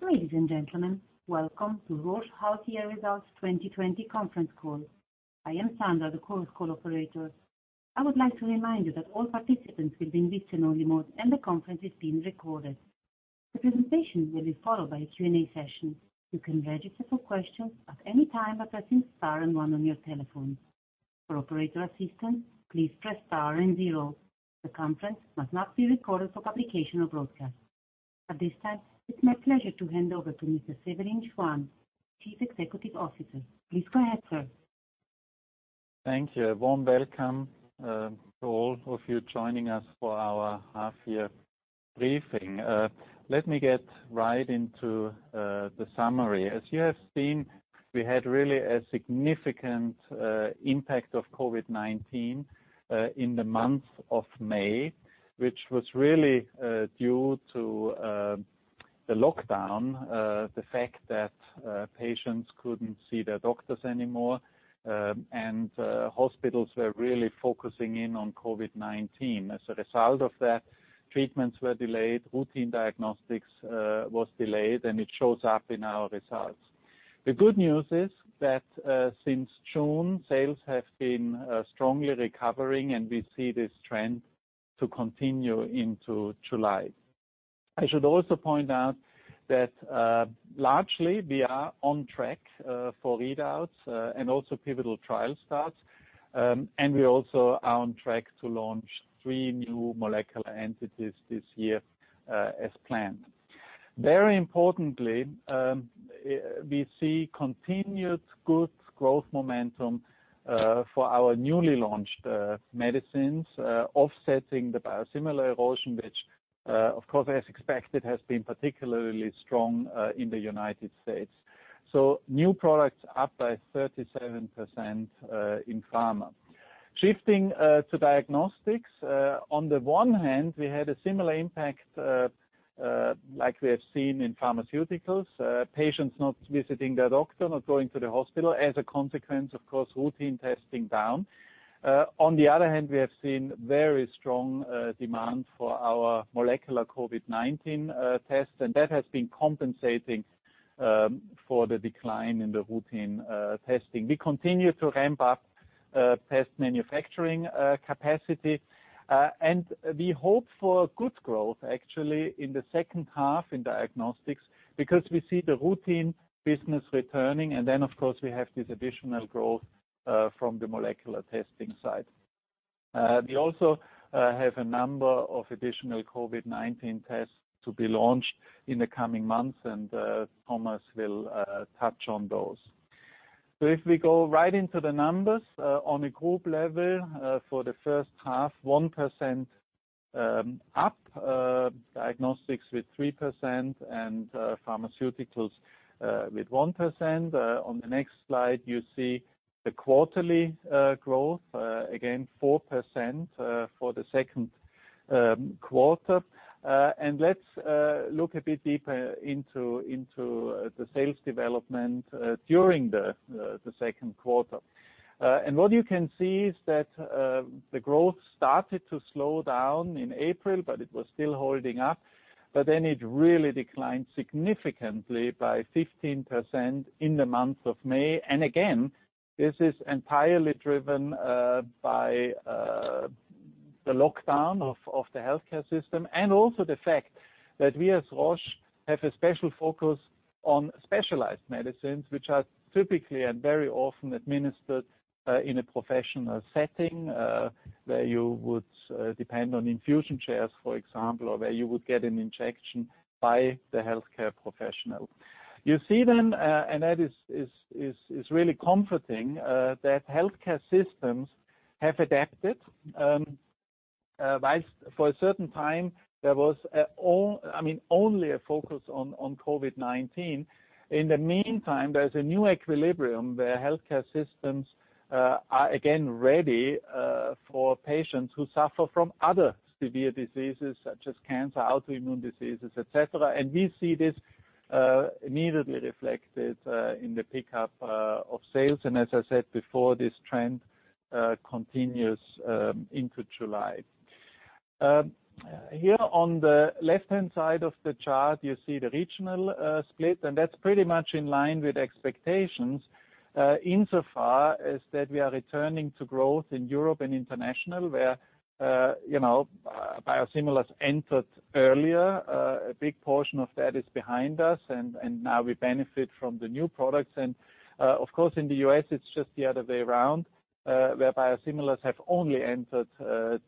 Ladies and gentlemen, welcome to Roche half year results 2020 conference call. I am Sandra, the conference call operator. I would like to remind you that all participants will be in listen-only mode, and the conference is being recorded. The presentation will be followed by a Q&A session. You can register for questions at any time by pressing star and one on your telephone. For operator assistance, please press star and zero. The conference must not be recorded for publication or broadcast. At this time, it is my pleasure to hand over to Mr. Severin Schwan, Chief Executive Officer. Please go ahead, sir. Thank you. A warm welcome to all of you joining us for our half-year briefing. Let me get right into the summary. As you have seen, we had really a significant impact of COVID-19 in the month of May, which was really due to the lockdown, the fact that patients couldn't see their doctors anymore, and hospitals were really focusing in on COVID-19. As a result of that, treatments were delayed, routine diagnostics was delayed, and it shows up in our results. The good news is that since June, sales have been strongly recovering, and we see this trend to continue into July. I should also point out that largely we are on track for readouts and also pivotal trial starts, and we also are on track to launch three new molecular entities this year as planned. Very importantly, we see continued good growth momentum for our newly launched medicines offsetting the biosimilar erosion, which of course, as expected, has been particularly strong in the U.S. New products are up by 37% in pharma. Shifting to diagnostics, on the one hand, we had a similar impact like we have seen in pharmaceuticals, patients not visiting their doctor, not going to the hospital. As a consequence, of course, routine testing was down. On the other hand, we have seen very strong demand for our molecular COVID-19 tests, and that has been compensating for the decline in the routine testing. We continue to ramp up test manufacturing capacity. We hope for good growth, actually, in the second half in diagnostics because we see the routine business returning, and then, of course, we have this additional growth from the molecular testing side. We also have a number of additional COVID-19 tests to be launched in the coming months. Thomas will touch on those. If we go right into the numbers, on a group level for the first half, 1% up, diagnostics with 3% and pharmaceuticals with 1%. On the next slide, you see the quarterly growth. Again, 4% for the second quarter. Let's look a bit deeper into the sales development during the second quarter. What you can see is that the growth started to slow down in April, but it was still holding up. It really declined significantly by 15% in the month of May. Again, this is entirely driven by the lockdown of the healthcare system and also the fact that we, as Roche, have a special focus on specialized medicines, which are typically and very often administered in a professional setting where you would depend on infusion chairs, for example, or where you would get an injection by the healthcare professional. You see then, and that is really comforting, that healthcare systems have adapted. For a certain time, there was only a focus on COVID-19. In the meantime, there's a new equilibrium where healthcare systems are again ready for patients who suffer from other severe diseases such as cancer, autoimmune diseases, et cetera. We see this immediately reflected in the pickup of sales. As I said before, this trend continues into July. Here on the left-hand side of the chart, you see the regional split, that's pretty much in line with expectations insofar as that we are returning to growth in Europe and international, where biosimilars entered earlier. A big portion of that is behind us, now we benefit from the new products. Of course, in the U.S., it's just the other way around, where biosimilars have only entered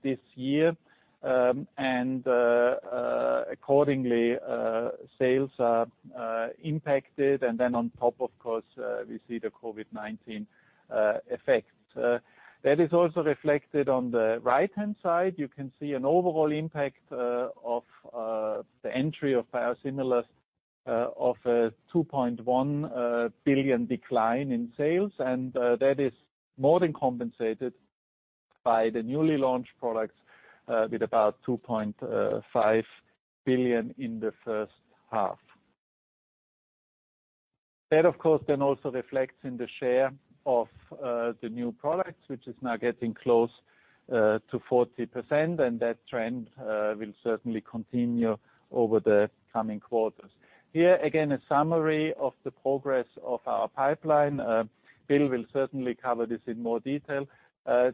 this year, accordingly, sales are impacted. On top, of course, we see the COVID-19 effect. That is also reflected on the right-hand side. You can see an overall impact of the entry of biosimilars of a 2.1 billion decline in sales, that is more than compensated by the newly launched products with about 2.5 billion in the first half. That, of course, then also reflects in the share of the new products, which is now getting close to 40%, that trend will certainly continue over the coming quarters. Here, again, a summary of the progress of our pipeline. Bill will certainly cover this in more detail.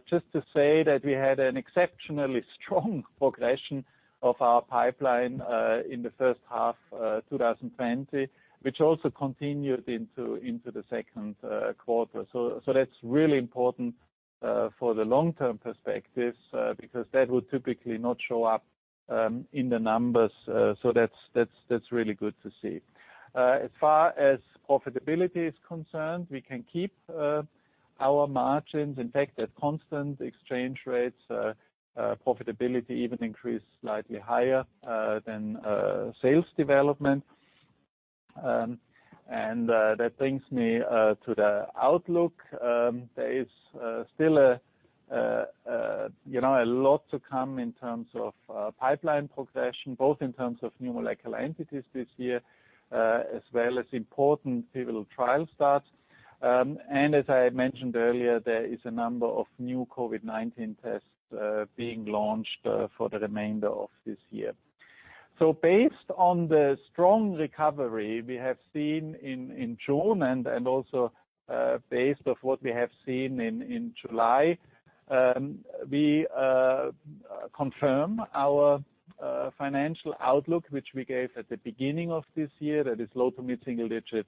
Just to say that we had an exceptionally strong progression of our pipeline in the first half of 2020, which also continued into the second quarter. That's really important for the long-term perspective because that would typically not show up in the numbers. That's really good to see. As far as profitability is concerned, we can keep our margins. In fact, at constant exchange rates, profitability even increased slightly higher than sales development. That brings me to the outlook. There is still a lot to come in terms of pipeline progression, both in terms of new molecular entities this year as well as important pivotal trial starts. As I mentioned earlier, there is a number of new COVID-19 tests being launched for the remainder of this year. Based on the strong recovery we have seen in June and also based on what we have seen in July, we confirm our financial outlook, which we gave at the beginning of this year, that is low to mid-single digit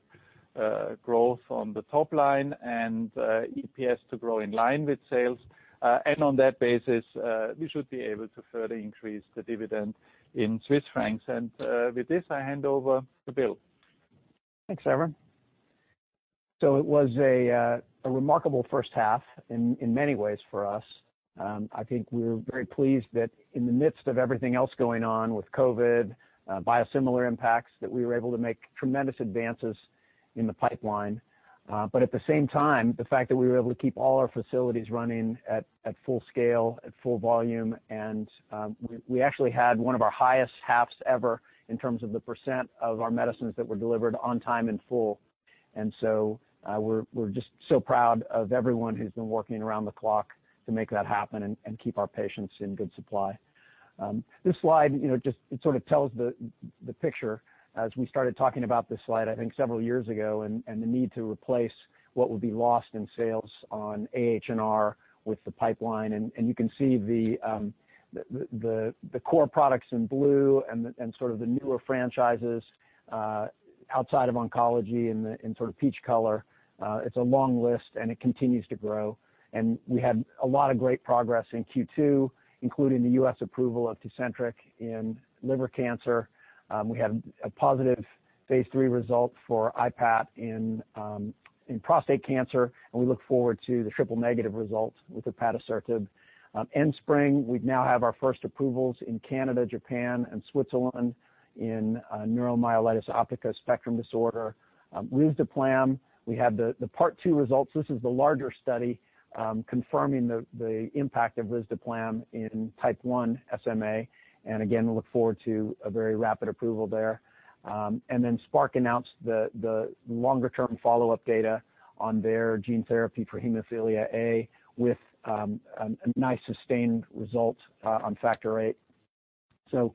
growth on the top line and EPS to grow in line with sales. On that basis, we should be able to further increase the dividend in Swiss francs. With this, I hand over to Bill. Thanks, Severin. It was a remarkable first half in many ways for us. I think we're very pleased that in the midst of everything else going on with COVID, biosimilar impacts, that we were able to make tremendous advances in the pipeline. At the same time, the fact that we were able to keep all our facilities running at full scale, at full volume, and we actually had one of our highest halves ever in terms of the percent of our medicines that were delivered on time in full. We're just so proud of everyone who's been working around the clock to make that happen and keep our patients in good supply. This slide just sort of tells the picture as we started talking about this slide, I think several years ago, and the need to replace what would be lost in sales on AHR with the pipeline. You can see the core products in blue and sort of the newer franchises outside of oncology in sort of peach color. It's a long list, and it continues to grow. We had a lot of great progress in Q2, including the U.S. approval of Tecentriq in liver cancer. We had a positive phase III result for IPAT in prostate cancer, and we look forward to the triple negative results with ipatasertib. ENSPRYNG, we now have our first approvals in Canada, Japan, and Switzerland in neuromyelitis optica spectrum disorder. Risdiplam, we have the part two results. This is the larger study confirming the impact of risdiplam in type 1 SMA. Again, we look forward to a very rapid approval there. Then Spark announced the longer-term follow-up data on their gene therapy for hemophilia A with a nice sustained result on factor VIII.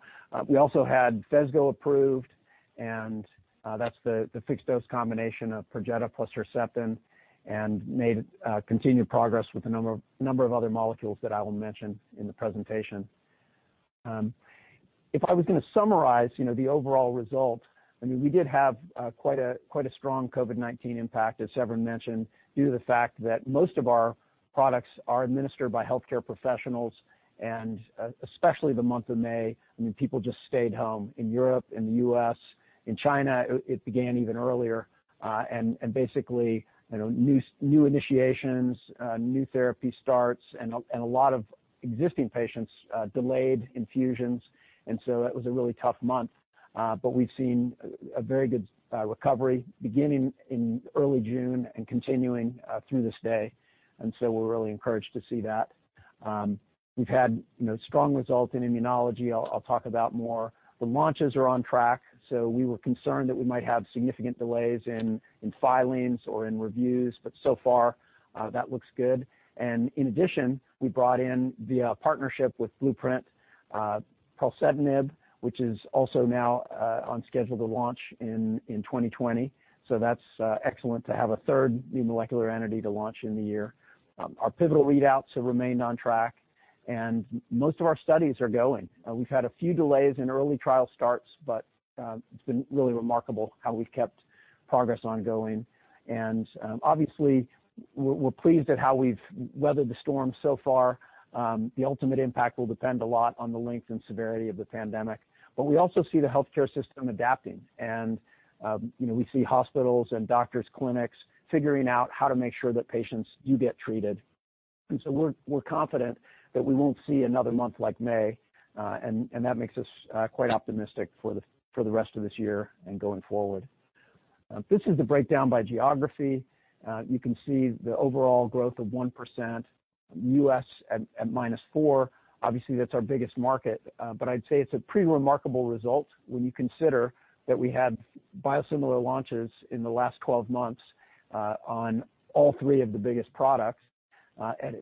We also had Phesgo approved, and that's the fixed-dose combination of Perjeta plus Herceptin, and made continued progress with a number of other molecules that I will mention in the presentation. If I was going to summarize the overall result, we did have quite a strong COVID-19 impact, as Severin mentioned, due to the fact that most of our products are administered by healthcare professionals, and especially the month of May, people just stayed home in Europe, in the U.S. In China, it began even earlier. Basically, new initiations, new therapy starts, and a lot of existing patients delayed infusions, and so that was a really tough month. We've seen a very good recovery beginning in early June and continuing through this day. We're really encouraged to see that. We've had strong results in immunology. I'll talk about more. The launches are on track. We were concerned that we might have significant delays in filings or in reviews. So far, that looks good. In addition, we brought in the partnership with Blueprint, pralsetinib, which is also now on schedule to launch in 2020. That's excellent to have a third new molecular entity to launch in the year. Our pivotal readouts have remained on track, and most of our studies are going. We've had a few delays in early trial starts. It's been really remarkable how we've kept progress ongoing. Obviously, we're pleased at how we've weathered the storm so far. The ultimate impact will depend a lot on the length and severity of the pandemic. We also see the healthcare system adapting, and we see hospitals and doctors' clinics figuring out how to make sure that patients do get treated. We're confident that we won't see another month like May, and that makes us quite optimistic for the rest of this year and going forward. This is the breakdown by geography. You can see the overall growth of 1%, U.S. at -4%. Obviously, that's our biggest market. I'd say it's a pretty remarkable result when you consider that we had biosimilar launches in the last 12 months on all three of the biggest products.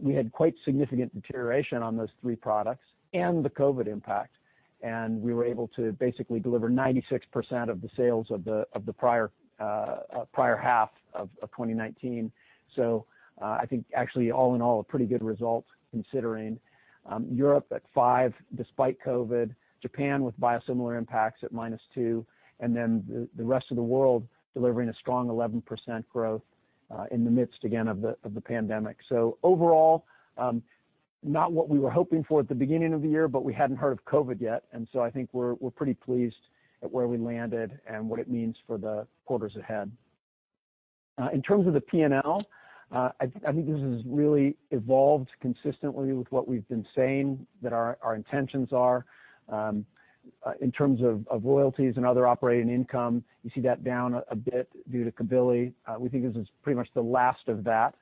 We had quite significant deterioration on those three products and the COVID impact, and we were able to basically deliver 96% of the sales of the prior half of 2019. I think actually all in all, a pretty good result considering Europe at 5%, despite COVID, Japan with biosimilar impacts at -2%, and then the rest of the world delivering a strong 11% growth in the midst, again, of the pandemic. Overall, not what we were hoping for at the beginning of the year, but we hadn't heard of COVID yet, I think we're pretty pleased at where we landed and what it means for the quarters ahead. In terms of the P&L, I think this has really evolved consistently with what we've been saying that our intentions are. In terms of royalties and other operating income, you see that down a bit due to CellCept. We think this is pretty much the last of that,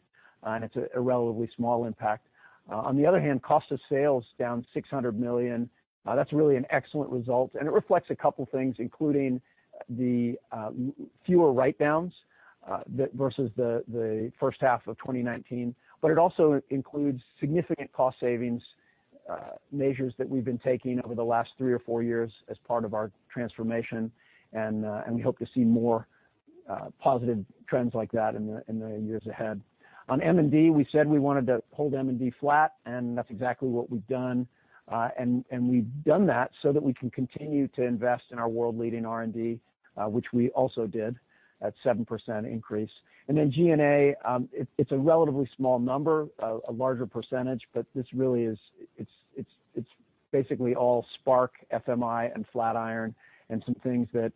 and it's a relatively small impact. On the other hand, cost of sales down 600 million. That's really an excellent result, and it reflects a couple things, including the fewer write-downs versus the first half of 2019. It also includes significant cost savings measures that we've been taking over the last three or four years as part of our transformation, and we hope to see more positive trends like that in the years ahead. On M&D, we said we wanted to hold M&D flat, and that's exactly what we've done. We've done that so that we can continue to invest in our world-leading R&D, which we also did at 7% increase. G&A, it's a relatively small number, a larger percentage, but this really is basically all Spark, FMI, and Flatiron and some things that,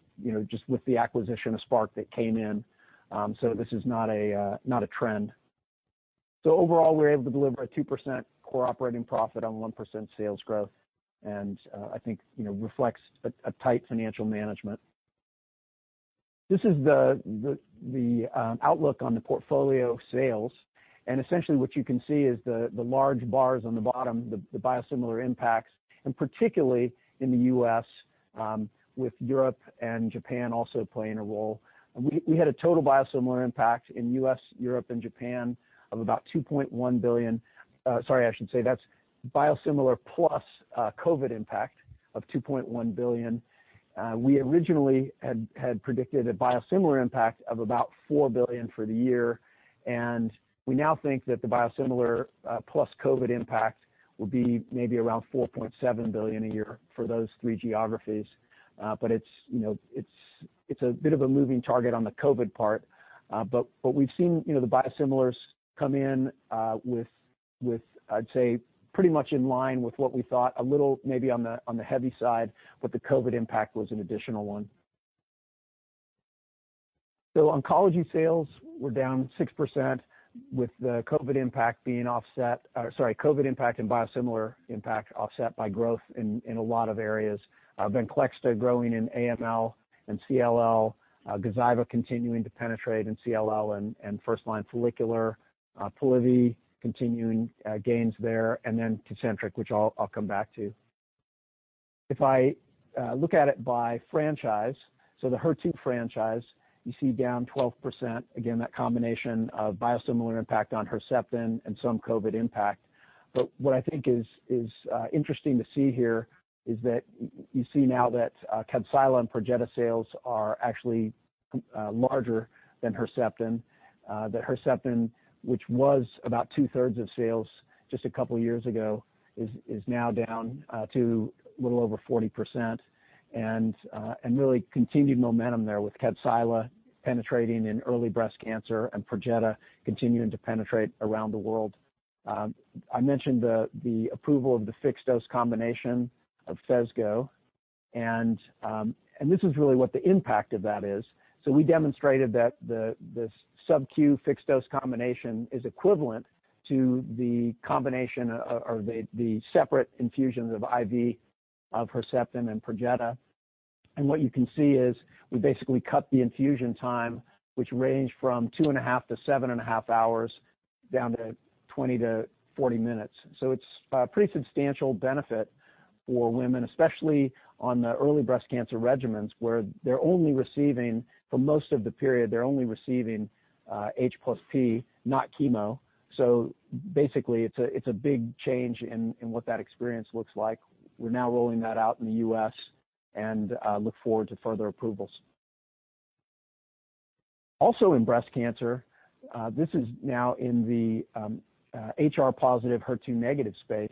just with the acquisition of Spark that came in. This is not a trend. Overall, we were able to deliver a 2% core operating profit on 1% sales growth, and I think reflects a tight financial management. This is the outlook on the portfolio sales, and essentially what you can see is the large bars on the bottom, the biosimilar impacts, and particularly in the U.S., with Europe and Japan also playing a role. We had a total biosimilar impact in U.S., Europe, and Japan of about 2.1 billion. Sorry, I should say that's biosimilar plus COVID impact of 2.1 billion. We originally had predicted a biosimilar impact of about 4 billion for the year, and we now think that the biosimilar plus COVID impact will be maybe around 4.7 billion a year for those three geographies. It's a bit of a moving target on the COVID part. We've seen the biosimilars come in with, I'd say, pretty much in line with what we thought, a little maybe on the heavy side, but the COVID impact was an additional one. Oncology sales were down 6% with the COVID impact and biosimilar impact offset by growth in a lot of areas. Venclexta growing in AML and CLL, Gazyva continuing to penetrate in CLL and first-line follicular, Polivy continuing gains there, and then Tecentriq, which I'll come back to. If I look at it by franchise, the HER2 franchise, you see down 12%. Again, that combination of biosimilar impact on Herceptin and some COVID impact. What I think is interesting to see here is that you see now that Kadcyla and Perjeta sales are actually larger than Herceptin. Herceptin, which was about 2/3 of sales just a couple of years ago, is now down to a little over 40%. Really continued momentum there with Kadcyla penetrating in early breast cancer and Perjeta continuing to penetrate around the world. I mentioned the approval of the fixed dose combination of Phesgo. This is really what the impact of that is. We demonstrated that this subQ fixed-dose combination is equivalent to the combination or the separate infusions of IV of Herceptin and Perjeta. What you can see is we basically cut the infusion time, which ranged from two and a half to seven and a half hours, down to 20-40 minutes. It's a pretty substantial benefit for women, especially on the early breast cancer regimens, where they're only receiving, for most of the period, they're only receiving H+P, not chemo. Basically, it's a big change in what that experience looks like. We're now rolling that out in the U.S., and look forward to further approvals. Also in breast cancer, this is now in the HR-positive, HER2-negative space.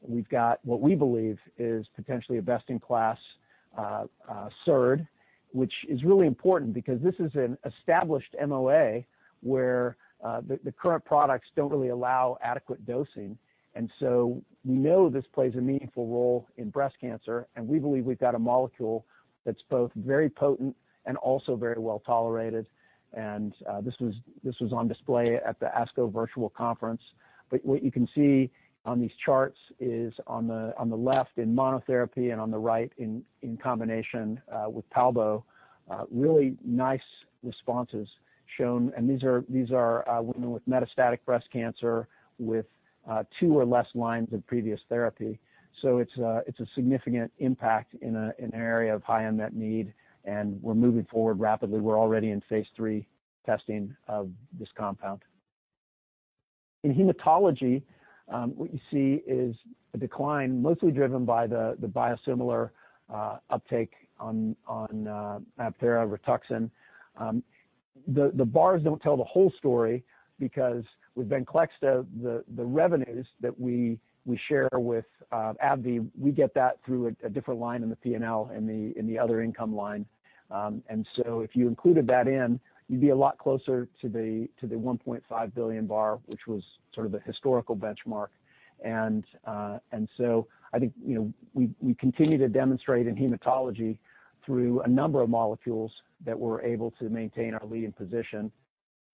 We've got what we believe is potentially a best-in-class SERD, which is really important because this is an established MOA where the current products don't really allow adequate dosing. We know this plays a meaningful role in breast cancer, and we believe we've got a molecule that's both very potent and also very well-tolerated. This was on display at the ASCO virtual conference. What you can see on these charts is on the left in monotherapy and on the right in combination with PALBO, really nice responses shown. These are women with metastatic breast cancer with two or less lines of previous therapy. It's a significant impact in an area of high unmet need, and we're moving forward rapidly. We're already in phase III testing of this compound. In hematology, what you see is a decline mostly driven by the biosimilar uptake on MabThera Rituxan. The bars don't tell the whole story because with Venclexta, the revenues that we share with AbbVie, we get that through a different line in the P&L in the other income line. If you included that in, you'd be a lot closer to the 1.5 billion bar, which was sort of the historical benchmark. I think, we continue to demonstrate in hematology through a number of molecules that we're able to maintain our leading position.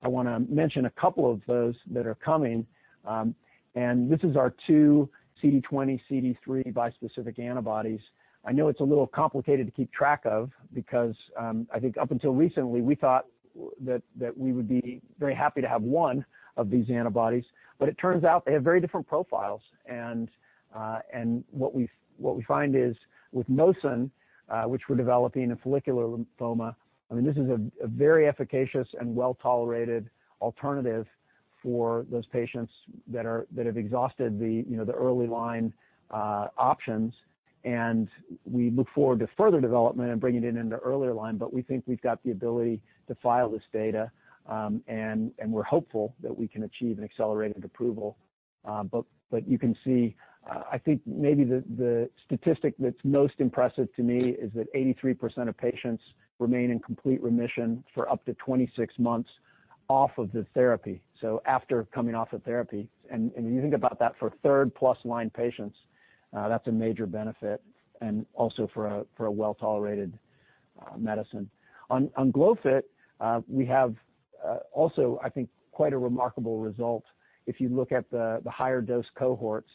I want to mention a couple of those that are coming. This is our two CD20/CD3 bispecific antibodies. I know it's a little complicated to keep track of because, I think up until recently, we thought that we would be very happy to have one of these antibodies, but it turns out they have very different profiles. What we find is with mosun, which we're developing in follicular lymphoma, I mean, this is a very efficacious and well-tolerated alternative for those patients that have exhausted the early line options. We look forward to further development and bringing it into earlier line. We think we've got the ability to file this data, and we're hopeful that we can achieve an accelerated approval. You can see, I think maybe the statistic that's most impressive to me is that 83% of patients remain in complete remission for up to 26 months off of the therapy. After coming off of therapy. When you think about that for third-plus line patients, that's a major benefit and also for a well-tolerated medicine. On Glofit, we have also, I think, quite a remarkable result. If you look at the higher dose cohorts,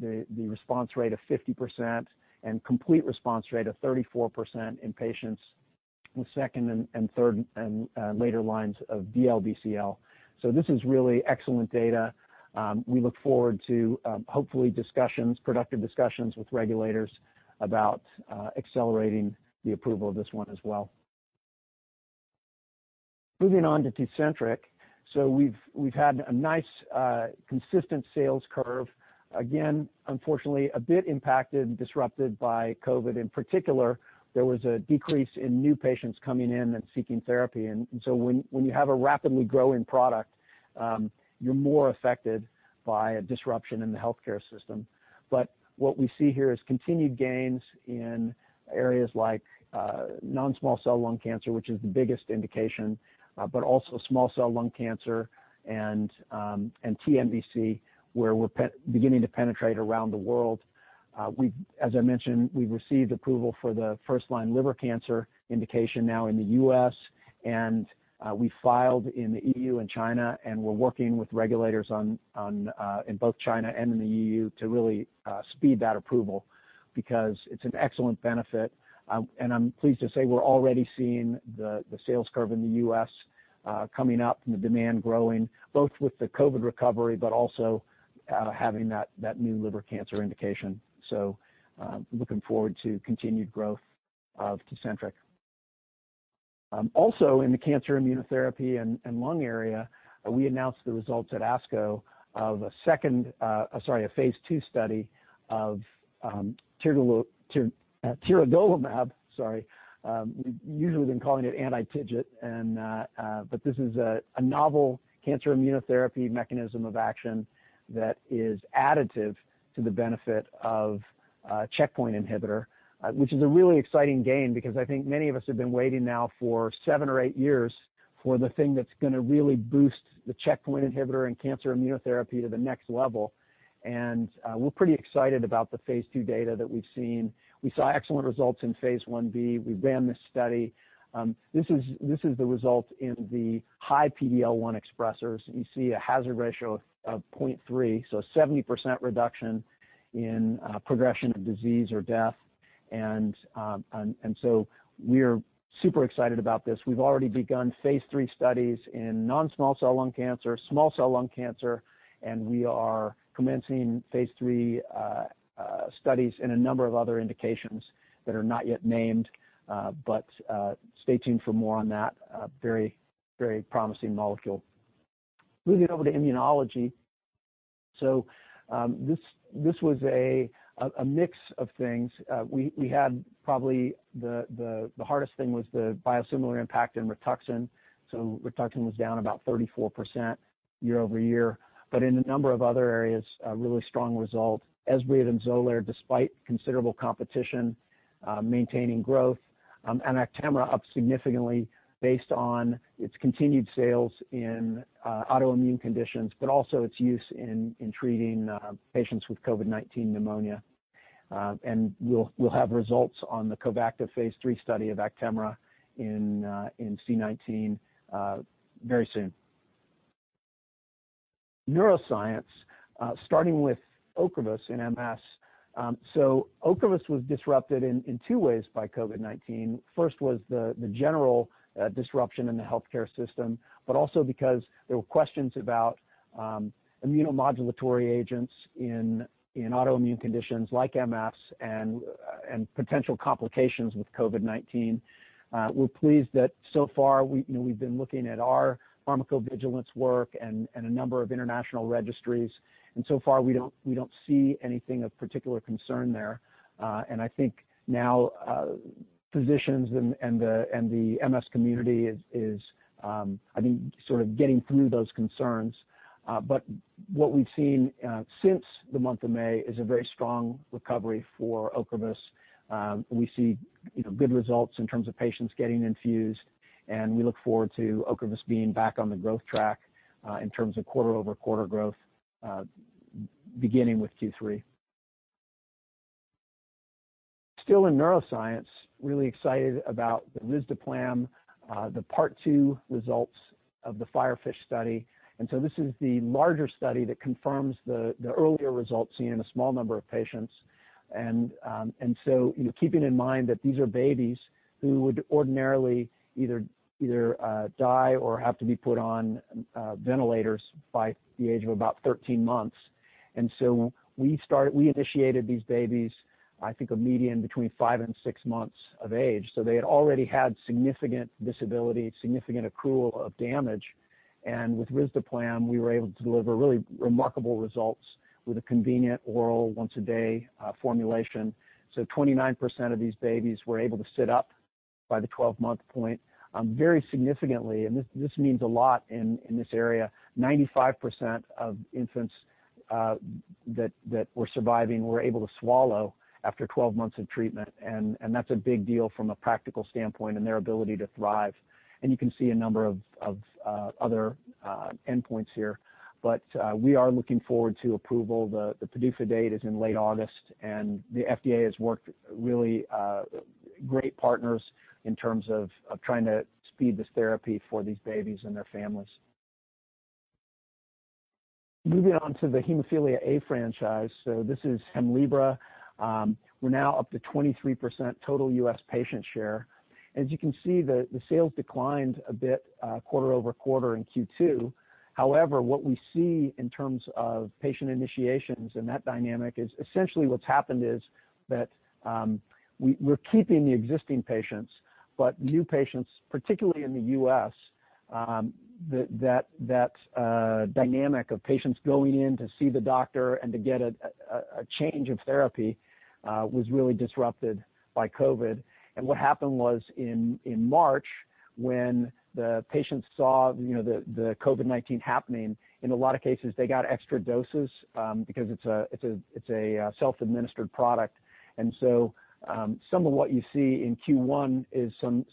the response rate of 50% and complete response rate of 34% in patients with second and third and later lines of DLBCL. This is really excellent data. We look forward to hopefully discussions, productive discussions with regulators about accelerating the approval of this one as well. Moving on to Tecentriq. We've had a nice, consistent sales curve. Again, unfortunately, a bit impacted and disrupted by COVID. In particular, there was a decrease in new patients coming in and seeking therapy. When you have a rapidly growing product, you're more affected by a disruption in the healthcare system. What we see here is continued gains in areas like non-small cell lung cancer, which is the biggest indication, also small cell lung cancer and TNBC, where we're beginning to penetrate around the world. As I mentioned, we've received approval for the first-line liver cancer indication now in the U.S., and we filed in the EU and China, and we're working with regulators in both China and in the EU to really speed that approval because it's an excellent benefit. I'm pleased to say we're already seeing the sales curve in the U.S. coming up and the demand growing, both with the COVID recovery, also having that new liver cancer indication. Looking forward to continued growth of Tecentriq. Also in the cancer immunotherapy and lung area, we announced the results at ASCO of a phase II study of tiragolumab. We usually have been calling it anti-TIGIT. This is a novel cancer immunotherapy mechanism of action that is additive to the benefit of a checkpoint inhibitor, which is a really exciting gain because I think many of us have been waiting now for seven or eight years for the thing that's going to really boost the checkpoint inhibitor and cancer immunotherapy to the next level. We're pretty excited about the phase II data that we've seen. We saw excellent results in phase I-B. We ran this study. This is the result in the high PD-L1 expressers. You see a hazard ratio of 0.3, so a 70% reduction in progression of disease or death. We're super excited about this. We've already begun phase III studies in non-small cell lung cancer, small cell lung cancer. We are commencing phase III studies in a number of other indications that are not yet named. Stay tuned for more on that. A very promising molecule. Moving over to immunology. This was a mix of things. We had probably the hardest thing was the biosimilar impact in Rituxan. Rituxan was down about 34% year-over-year. In a number of other areas, a really strong result. Esbriet and XOLAIR, despite considerable competition, maintaining growth. Actemra up significantly based on its continued sales in autoimmune conditions, but also its use in treating patients with COVID-19 pneumonia. We'll have results on the COVACTA phase III study of Actemra in C19 very soon. Neuroscience, starting with OCREVUS in MS. OCREVUS was disrupted in two ways by COVID-19. First was the general disruption in the healthcare system, but also because there were questions about immunomodulatory agents in autoimmune conditions like MS and potential complications with COVID-19. We're pleased that so far, we've been looking at our pharmacovigilance work and a number of international registries, so far we don't see anything of particular concern there. I think now physicians and the MS community is, I think, sort of getting through those concerns. What we've seen since the month of May is a very strong recovery for OCREVUS. We see good results in terms of patients getting infused, we look forward to OCREVUS being back on the growth track in terms of quarter-over-quarter growth beginning with Q3. Still in neuroscience, really excited about the risdiplam, the part two results of the FIREFISH study. This is the larger study that confirms the earlier results seen in a small number of patients. Keeping in mind that these are babies who would ordinarily either die or have to be put on ventilators by the age of about 13 months. We initiated these babies, I think a median between five and six months of age. They had already had significant disability, significant accrual of damage. With risdiplam, we were able to deliver really remarkable results with a convenient oral once-a-day formulation. 29% of these babies were able to sit up by the 12-month point. Very significantly, and this means a lot in this area, 95% of infants that were surviving were able to swallow after 12 months of treatment. That's a big deal from a practical standpoint and their ability to thrive. You can see a number of other endpoints here, but we are looking forward to approval. The PDUFA date is in late August, and the FDA has worked really great partners in terms of trying to speed this therapy for these babies and their families. Moving on to the hemophilia A franchise. This is HEMLIBRA. We're now up to 23% total U.S. patient share. As you can see, the sales declined a bit quarter-over-quarter in Q2. What we see in terms of patient initiations and that dynamic is essentially what's happened is that we're keeping the existing patients, but new patients, particularly in the U.S., that dynamic of patients going in to see the doctor and to get a change of therapy was really disrupted by COVID-19. What happened was in March, when the patients saw the COVID-19 happening, in a lot of cases, they got extra doses because it's a self-administered product. Some of what you see in Q1 is some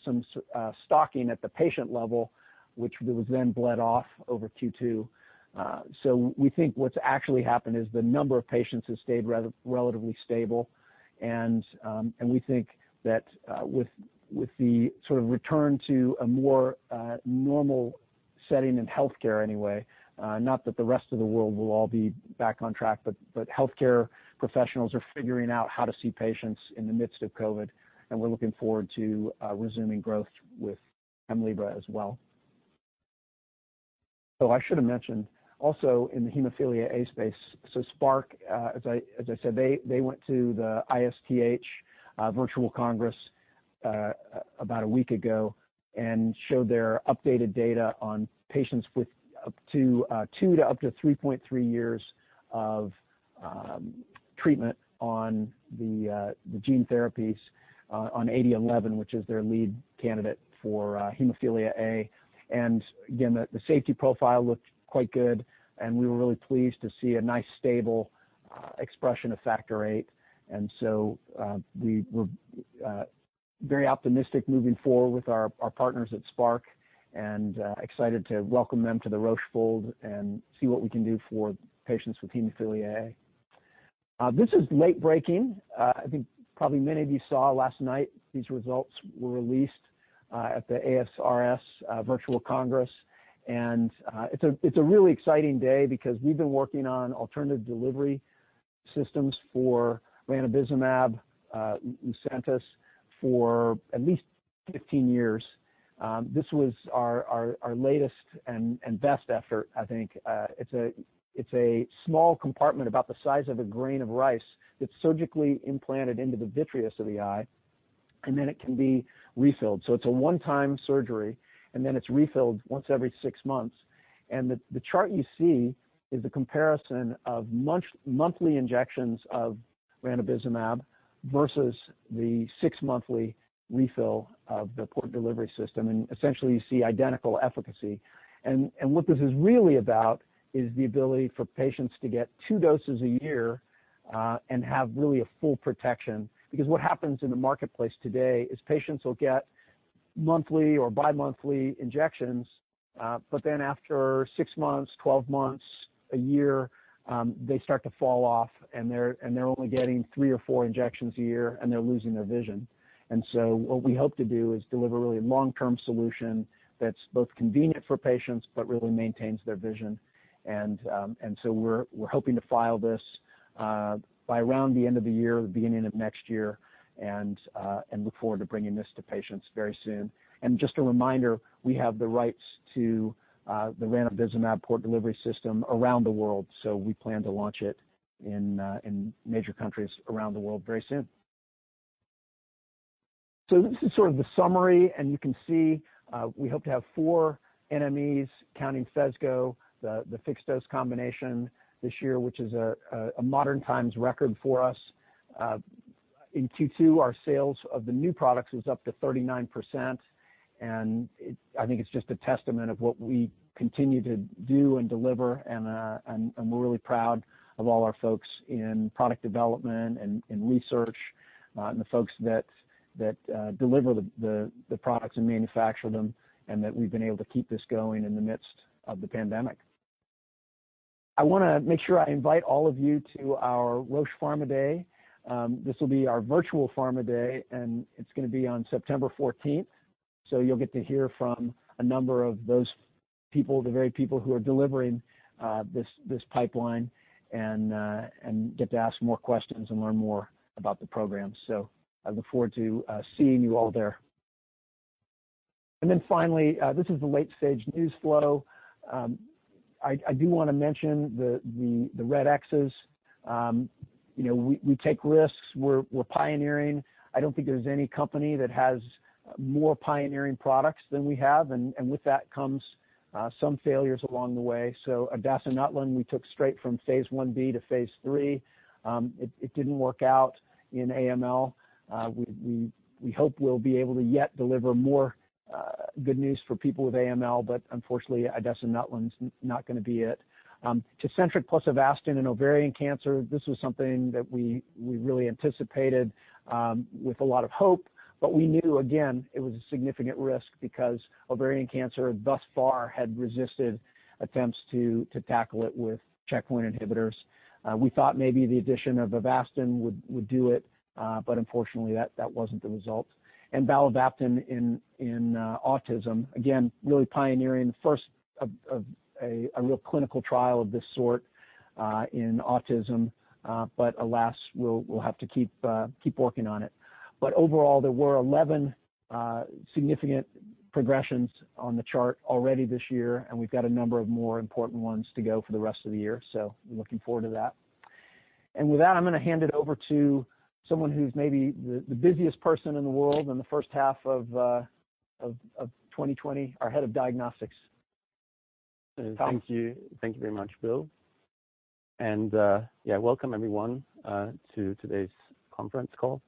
stocking at the patient level, which was then bled off over Q2. We think what's actually happened is the number of patients has stayed relatively stable, and we think that with the sort of return to a more normal setting in healthcare anyway, not that the rest of the world will all be back on track, but healthcare professionals are figuring out how to see patients in the midst of COVID, and we're looking forward to resuming growth with HEMLIBRA as well. I should have mentioned also in the hemophilia A space, Spark, as I said, they went to the ISTH Virtual Congress about a week ago and showed their updated data on patients with up to two to up to 3.3 years of treatment on the gene therapies on SPK-8011, which is their lead candidate for hemophilia A. Again, the safety profile looked quite good, and we were really pleased to see a nice stable expression of factor VIII. We're very optimistic moving forward with our partners at Spark and excited to welcome them to the Roche fold and see what we can do for patients with hemophilia A. This is late breaking. I think probably many of you saw last night these results were released at the ASRS Virtual Congress. It's a really exciting day because we've been working on alternative delivery systems for ranibizumab, LUCENTIS, for at least 15 years. This was our latest and best effort, I think. It's a small compartment about the size of a grain of rice that's surgically implanted into the vitreous of the eye, then it can be refilled. It's a one-time surgery, then it's refilled once every six months. The chart you see is the comparison of monthly injections of ranibizumab versus the six-monthly refill of the port delivery system. Essentially you see identical efficacy. What this is really about is the ability for patients to get two doses a year and have really a full protection. What happens in the marketplace today is patients will get monthly or bi-monthly injections, but then after six months, 12 months, a year, they start to fall off and they're only getting three or four injections a year and they're losing their vision. What we hope to do is deliver really a long-term solution that's both convenient for patients but really maintains their vision. We're hoping to file this by around the end of the year, the beginning of next year, and look forward to bringing this to patients very soon. A reminder, we have the rights to the ranibizumab port delivery system around the world. We plan to launch it in major countries around the world very soon. This is sort of the summary, and you can see we hope to have four NMEs counting Phesgo, the fixed-dose combination this year, which is a modern times record for us. In Q2, our sales of the new products was up to 39%, and I think it's just a testament of what we continue to do and deliver. We're really proud of all our folks in product development and in research, and the folks that deliver the products and manufacture them, and that we've been able to keep this going in the midst of the pandemic. I want to make sure I invite all of you to our Roche Pharma Day. This will be our virtual pharma day, and it's going to be on September 14th. You'll get to hear from a number of those people, the very people who are delivering this pipeline and get to ask more questions and learn more about the program. I look forward to seeing you all there. Finally, this is the late-stage news flow. I do want to mention the red Xs. We take risks. We're pioneering. I don't think there's any company that has more pioneering products than we have, and with that comes some failures along the way. Idasanutlin we took straight from phase I-B to phase III. It didn't work out in AML. We hope we'll be able to yet deliver more good news for people with AML, but unfortunately idasanutlin is not going to be it. Tecentriq plus Avastin in ovarian cancer, this was something that we really anticipated with a lot of hope. It was a significant risk because ovarian cancer thus far had resisted attempts to tackle it with checkpoint inhibitors. We thought maybe the addition of Avastin would do it, unfortunately, that wasn't the result. Balovaptan in autism, again, really pioneering the first of a real clinical trial of this sort in autism. Alas, we'll have to keep working on it. Overall, there were 11 significant progressions on the chart already this year, and we've got a number of more important ones to go for the rest of the year. I'm looking forward to that. With that, I'm going to hand it over to someone who's maybe the busiest person in the world in the first half of 2020, our head of diagnostics. Tom. Thank you. Thank you very much, Bill. Welcome everyone to today's conference call.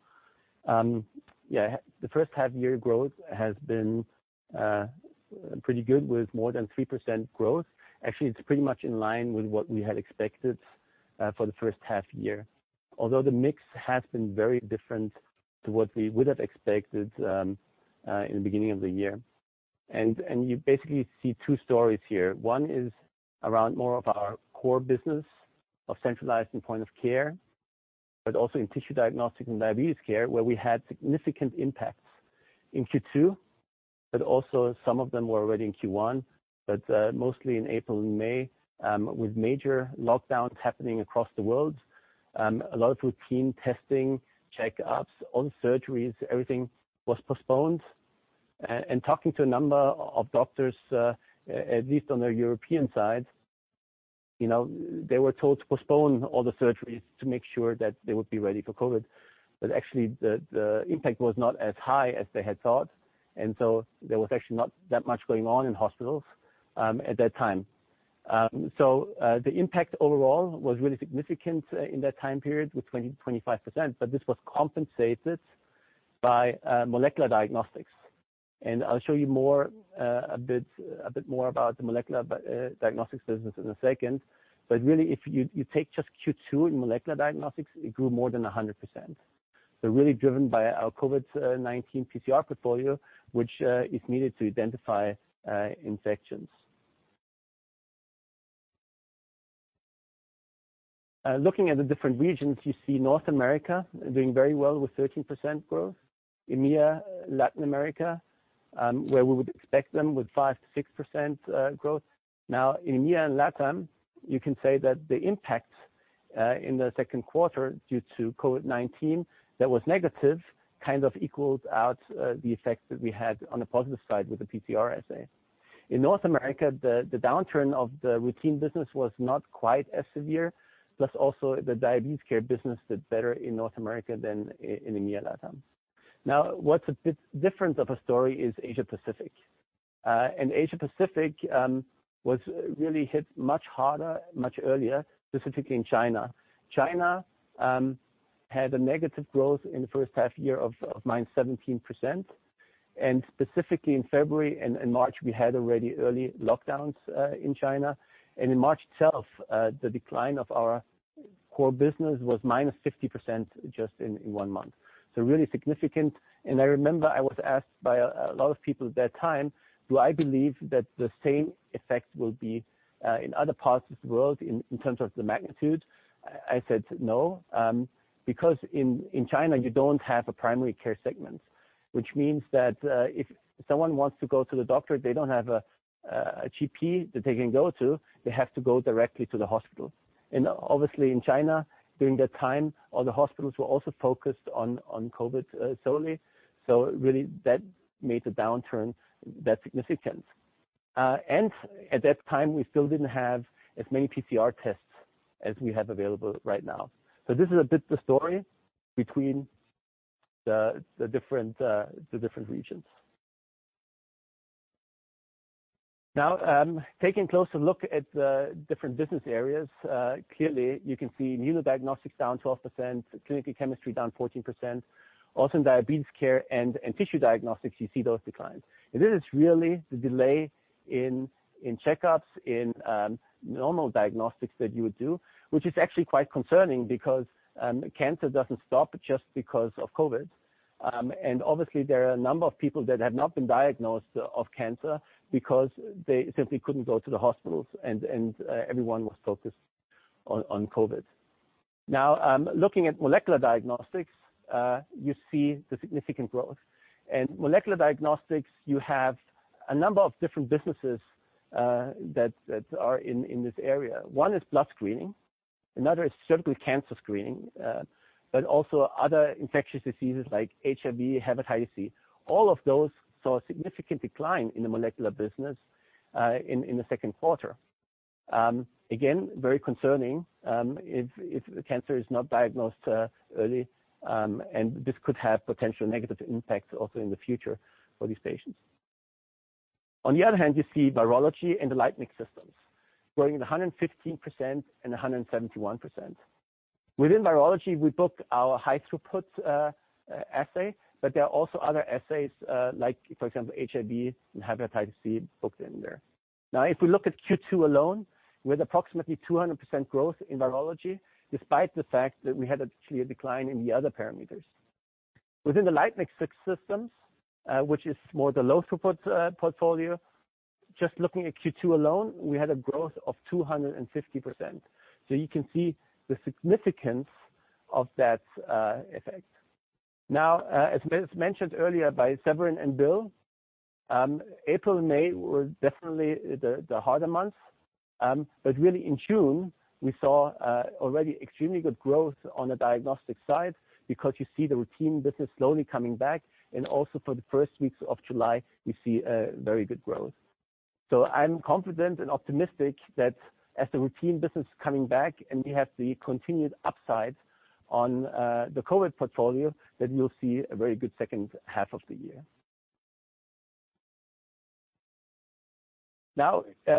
The first half year growth has been pretty good with more than 3% growth. Actually, it's pretty much in line with what we had expected for the first half year, although the mix has been very different to what we would have expected in the beginning of the year. You basically see two stories here. One is around more of our core business of centralized and point of care, but also in tissue diagnostic and diabetes care, where we had significant impacts in Q2, but also some of them were already in Q1, but mostly in April and May with major lockdowns happening across the world. A lot of routine testing, checkups, all surgeries, everything was postponed. Talking to a number of doctors, at least on the European side, they were told to postpone all the surgeries to make sure that they would be ready for COVID. Actually, the impact was not as high as they had thought, there was actually not that much going on in hospitals at that time. The impact overall was really significant in that time period with 20%-25%, this was compensated by molecular diagnostics. I'll show you a bit more about the molecular diagnostics business in a second. Really, if you take just Q2 in molecular diagnostics, it grew more than 100%. Really driven by our COVID-19 PCR portfolio, which is needed to identify infections. Looking at the different regions, you see North America doing very well with 13% growth. EMEA, Latin America, where we would expect them with 5%-6% growth. In EMEA and LATAM, you can say that the impact in the second quarter due to COVID-19 that was negative kind of equals out the effect that we had on the positive side with the PCR assay. In North America, the downturn of the routine business was not quite as severe, plus also the diabetes care business did better in North America than in EMEA and LATAM. What's a bit different of a story is Asia-Pacific. Asia-Pacific was really hit much harder, much earlier, specifically in China. China had a negative growth in the first half year of -17%, and specifically in February and March, we had already early lockdowns in China. In March itself, the decline of our core business was -50% just in one month. Really significant. I remember I was asked by a lot of people at that time, do I believe that the same effect will be in other parts of the world in terms of the magnitude? I said no, because in China, you don't have a primary care segment. Means that if someone wants to go to the doctor, they don't have a GP that they can go to, they have to go directly to the hospital. Obviously in China, during that time, all the hospitals were also focused on COVID solely. Really, that made the downturn that significant. At that time, we still didn't have as many PCR tests as we have available right now. This is a bit the story between the different regions. Now, taking a closer look at the different business areas, clearly you can see immunodiagnostics down 12%, clinical chemistry down 14%, also in diabetes care and in tissue diagnostics, you see those declines. This is really the delay in checkups, in normal diagnostics that you would do, which is actually quite concerning because cancer doesn't stop just because of COVID. Obviously, there are a number of people that have not been diagnosed of cancer because they simply couldn't go to the hospitals, and everyone was focused on COVID. Now, looking at molecular diagnostics, you see the significant growth. In molecular diagnostics, you have a number of different businesses that are in this area. One is blood screening, another is cervical cancer screening, but also other infectious diseases like HIV, hepatitis C. All of those saw a significant decline in the molecular business, in the second quarter. Very concerning, if the cancer is not diagnosed early, this could have potential negative impacts also in the future for these patients. You see virology and the LightMix systems growing at 115% and 171%. Within virology, we book our high throughput assay, there are also other assays, like, for example, HIV and hepatitis C booked in there. If we look at Q2 alone, with approximately 200% growth in virology, despite the fact that we had a clear decline in the other parameters. Within the LightMix systems, which is more the low throughput portfolio, just looking at Q2 alone, we had a growth of 250%. You can see the significance of that effect. As mentioned earlier by Severin and Bill, April and May were definitely the harder months. Really in June, we saw already extremely good growth on the diagnostics side because you see the routine business slowly coming back, and also for the first weeks of July, we see very good growth. I'm confident and optimistic that as the routine business coming back and we have the continued upside on the COVID portfolio, that we'll see a very good second half of the year.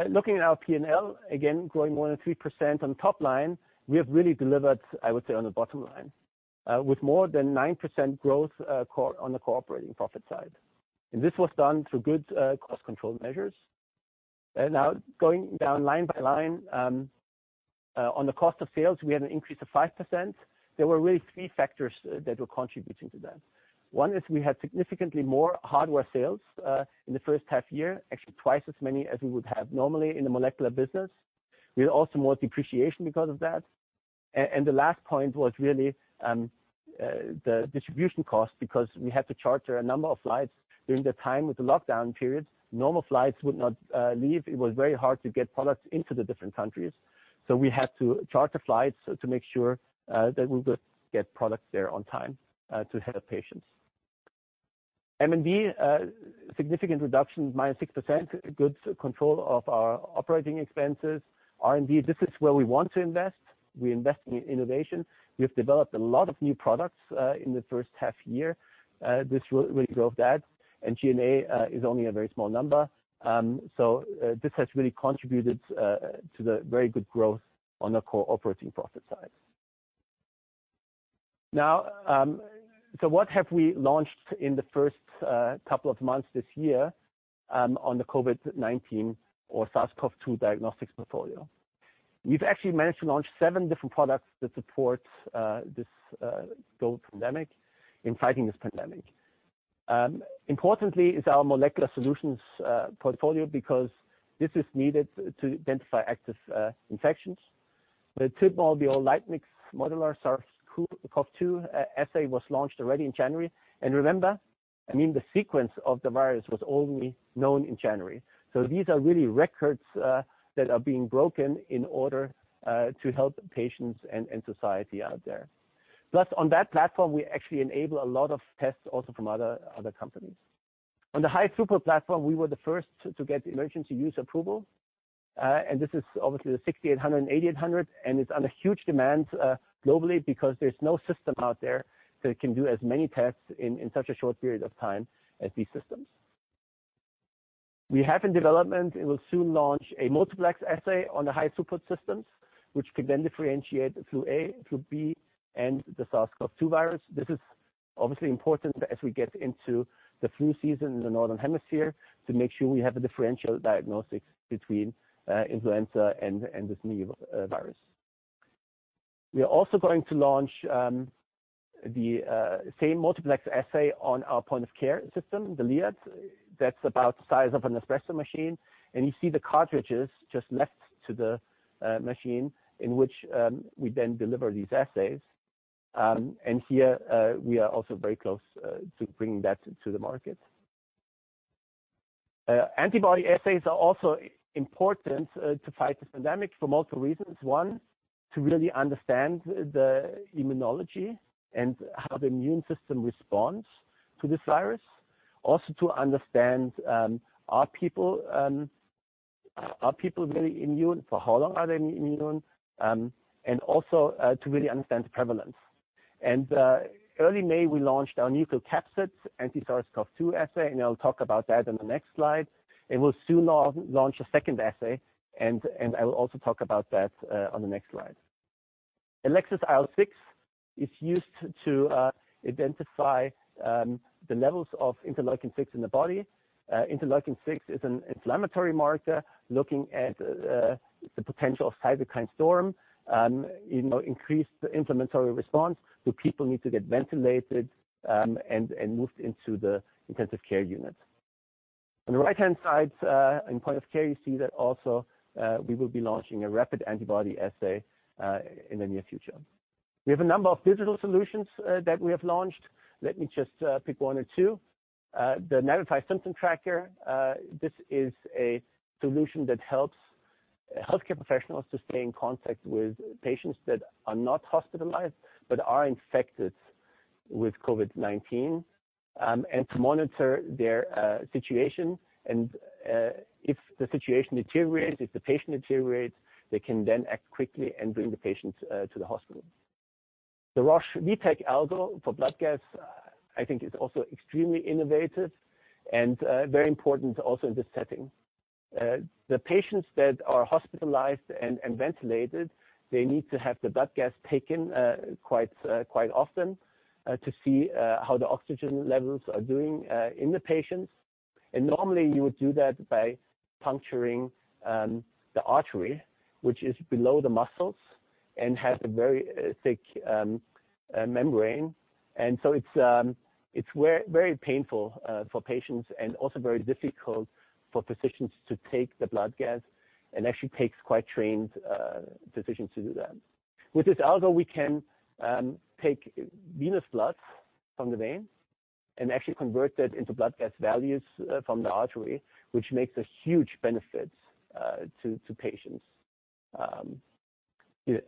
Looking at our P&L, again, growing more than 3% on top line, we have really delivered, I would say, on the bottom line, with more than 9% growth on the core operating profit side. This was done through good cost control measures. Now going down line by line, on the cost of sales, we had an increase of 5%. There were really three factors that were contributing to that. One is we had significantly more hardware sales, in the first half year, actually twice as many as we would have normally in the molecular business. We had also more depreciation because of that. The last point was really the distribution cost, because we had to charter a number of flights during the time with the lockdown period. Normal flights would not leave. It was very hard to get products into the different countries. We had to charter flights to make sure that we would get products there on time, to help patients. M&D, significant reduction, -6%, good control of our operating expenses. R&D, this is where we want to invest. We invest in innovation. We have developed a lot of new products in the first half year. This really drove that. G&A is only a very small number. This has really contributed to the very good growth on the core operating profit side. What have we launched in the first couple of months this year on the COVID-19 or SARS-CoV-2 diagnostics portfolio? We've actually managed to launch seven different products that support this global pandemic, in fighting this pandemic. Importantly is our molecular solutions portfolio, because this is needed to identify active infections. The cobas 6800 or LightMix Modular SARS-CoV-2 assay was launched already in January. Remember, the sequence of the virus was only known in January. These are really records that are being broken in order to help patients and society out there. On that platform, we actually enable a lot of tests also from other companies. On the high throughput platform, we were the first to get emergency use approval. This is obviously the 6800 and 8800, and it's under huge demand globally because there's no system out there that can do as many tests in such a short period of time as these systems. We have in development and will soon launch a multiplex assay on the high throughput systems, which could then differentiate flu A, flu B, and the SARS-CoV-2 virus. This is obviously important as we get into the flu season in the northern hemisphere to make sure we have a differential diagnosis between influenza and this new virus. We are also going to launch the same multiplex assay on our point-of-care system, the liat. That's about the size of a Nespresso machine. You see the cartridges just next to the machine in which we then deliver these assays. Here, we are also very close to bringing that to the market. Antibody assays are also important to fight this pandemic for multiple reasons. One, to really understand the immunology and how the immune system responds to this virus. Also to understand, are people really immune? For how long are they immune? Also to really understand the prevalence. Early May, we launched our nucleocapsid SARS-CoV-2 assay, and I'll talk about that on the next slide. We'll soon launch a second assay, and I will also talk about that on the next slide. Elecsys IL-6 is used to identify the levels of interleukin-6 in the body. Interleukin-6 is an inflammatory marker looking at the potential of cytokine storm, increased inflammatory response. Do people need to get ventilated and moved into the intensive care unit? On the right-hand side, in point of care, you see that also we will be launching a rapid antibody assay in the near future. We have a number of digital solutions that we have launched. Let me just pick one or two. The navify symptom tracker, this is a solution that helps healthcare professionals to stay in contact with patients that are not hospitalized but are infected with COVID-19, and to monitor their situation. If the situation deteriorates, if the patient deteriorates, they can then act quickly and bring the patient to the hospital. The Roche v-TAC algo for blood gas, I think is also extremely innovative and very important also in this setting. The patients that are hospitalized and ventilated, they need to have the blood gas taken quite often to see how the oxygen levels are doing in the patients. Normally, you would do that by puncturing the artery, which is below the muscles and has a very thick membrane. It's very painful for patients and also very difficult for physicians to take the blood gas, and actually takes quite trained physicians to do that. With this algo, we can take venous blood from the vein and actually convert that into blood gas values from the artery, which makes a huge benefit to patients.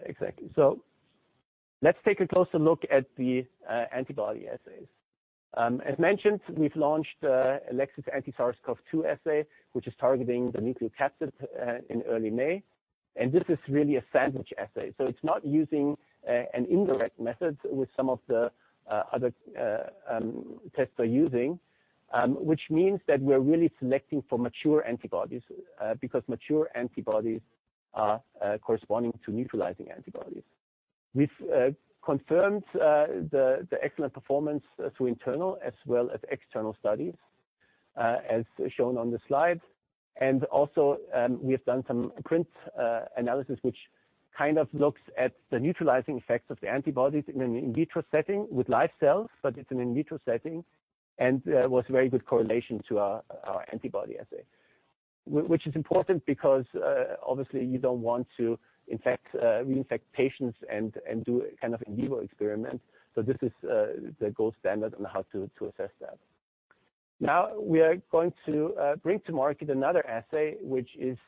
Exactly. Let's take a closer look at the antibody assays. As mentioned, we've launched Elecsys SARS-CoV-2 assay, which is targeting the nucleocapsid, in early May. This is really a sandwich assay, so it's not using an indirect method with some of the other tests are using, which means that we're really selecting for mature antibodies, because mature antibodies are corresponding to neutralizing antibodies. We've confirmed the excellent performance through internal as well as external studies, as shown on the slide. Also, we have done some plaque reduction neutralization test analysis, which kind of looks at the neutralizing effects of the antibodies in an in vitro setting with live cells, but it's an in vitro setting, and was very good correlation to our antibody assay. Which is important because, obviously, you don't want to reinfect patients and do a kind of in vivo experiment. This is the gold standard on how to assess that. Now, we are going to bring to market another assay, which is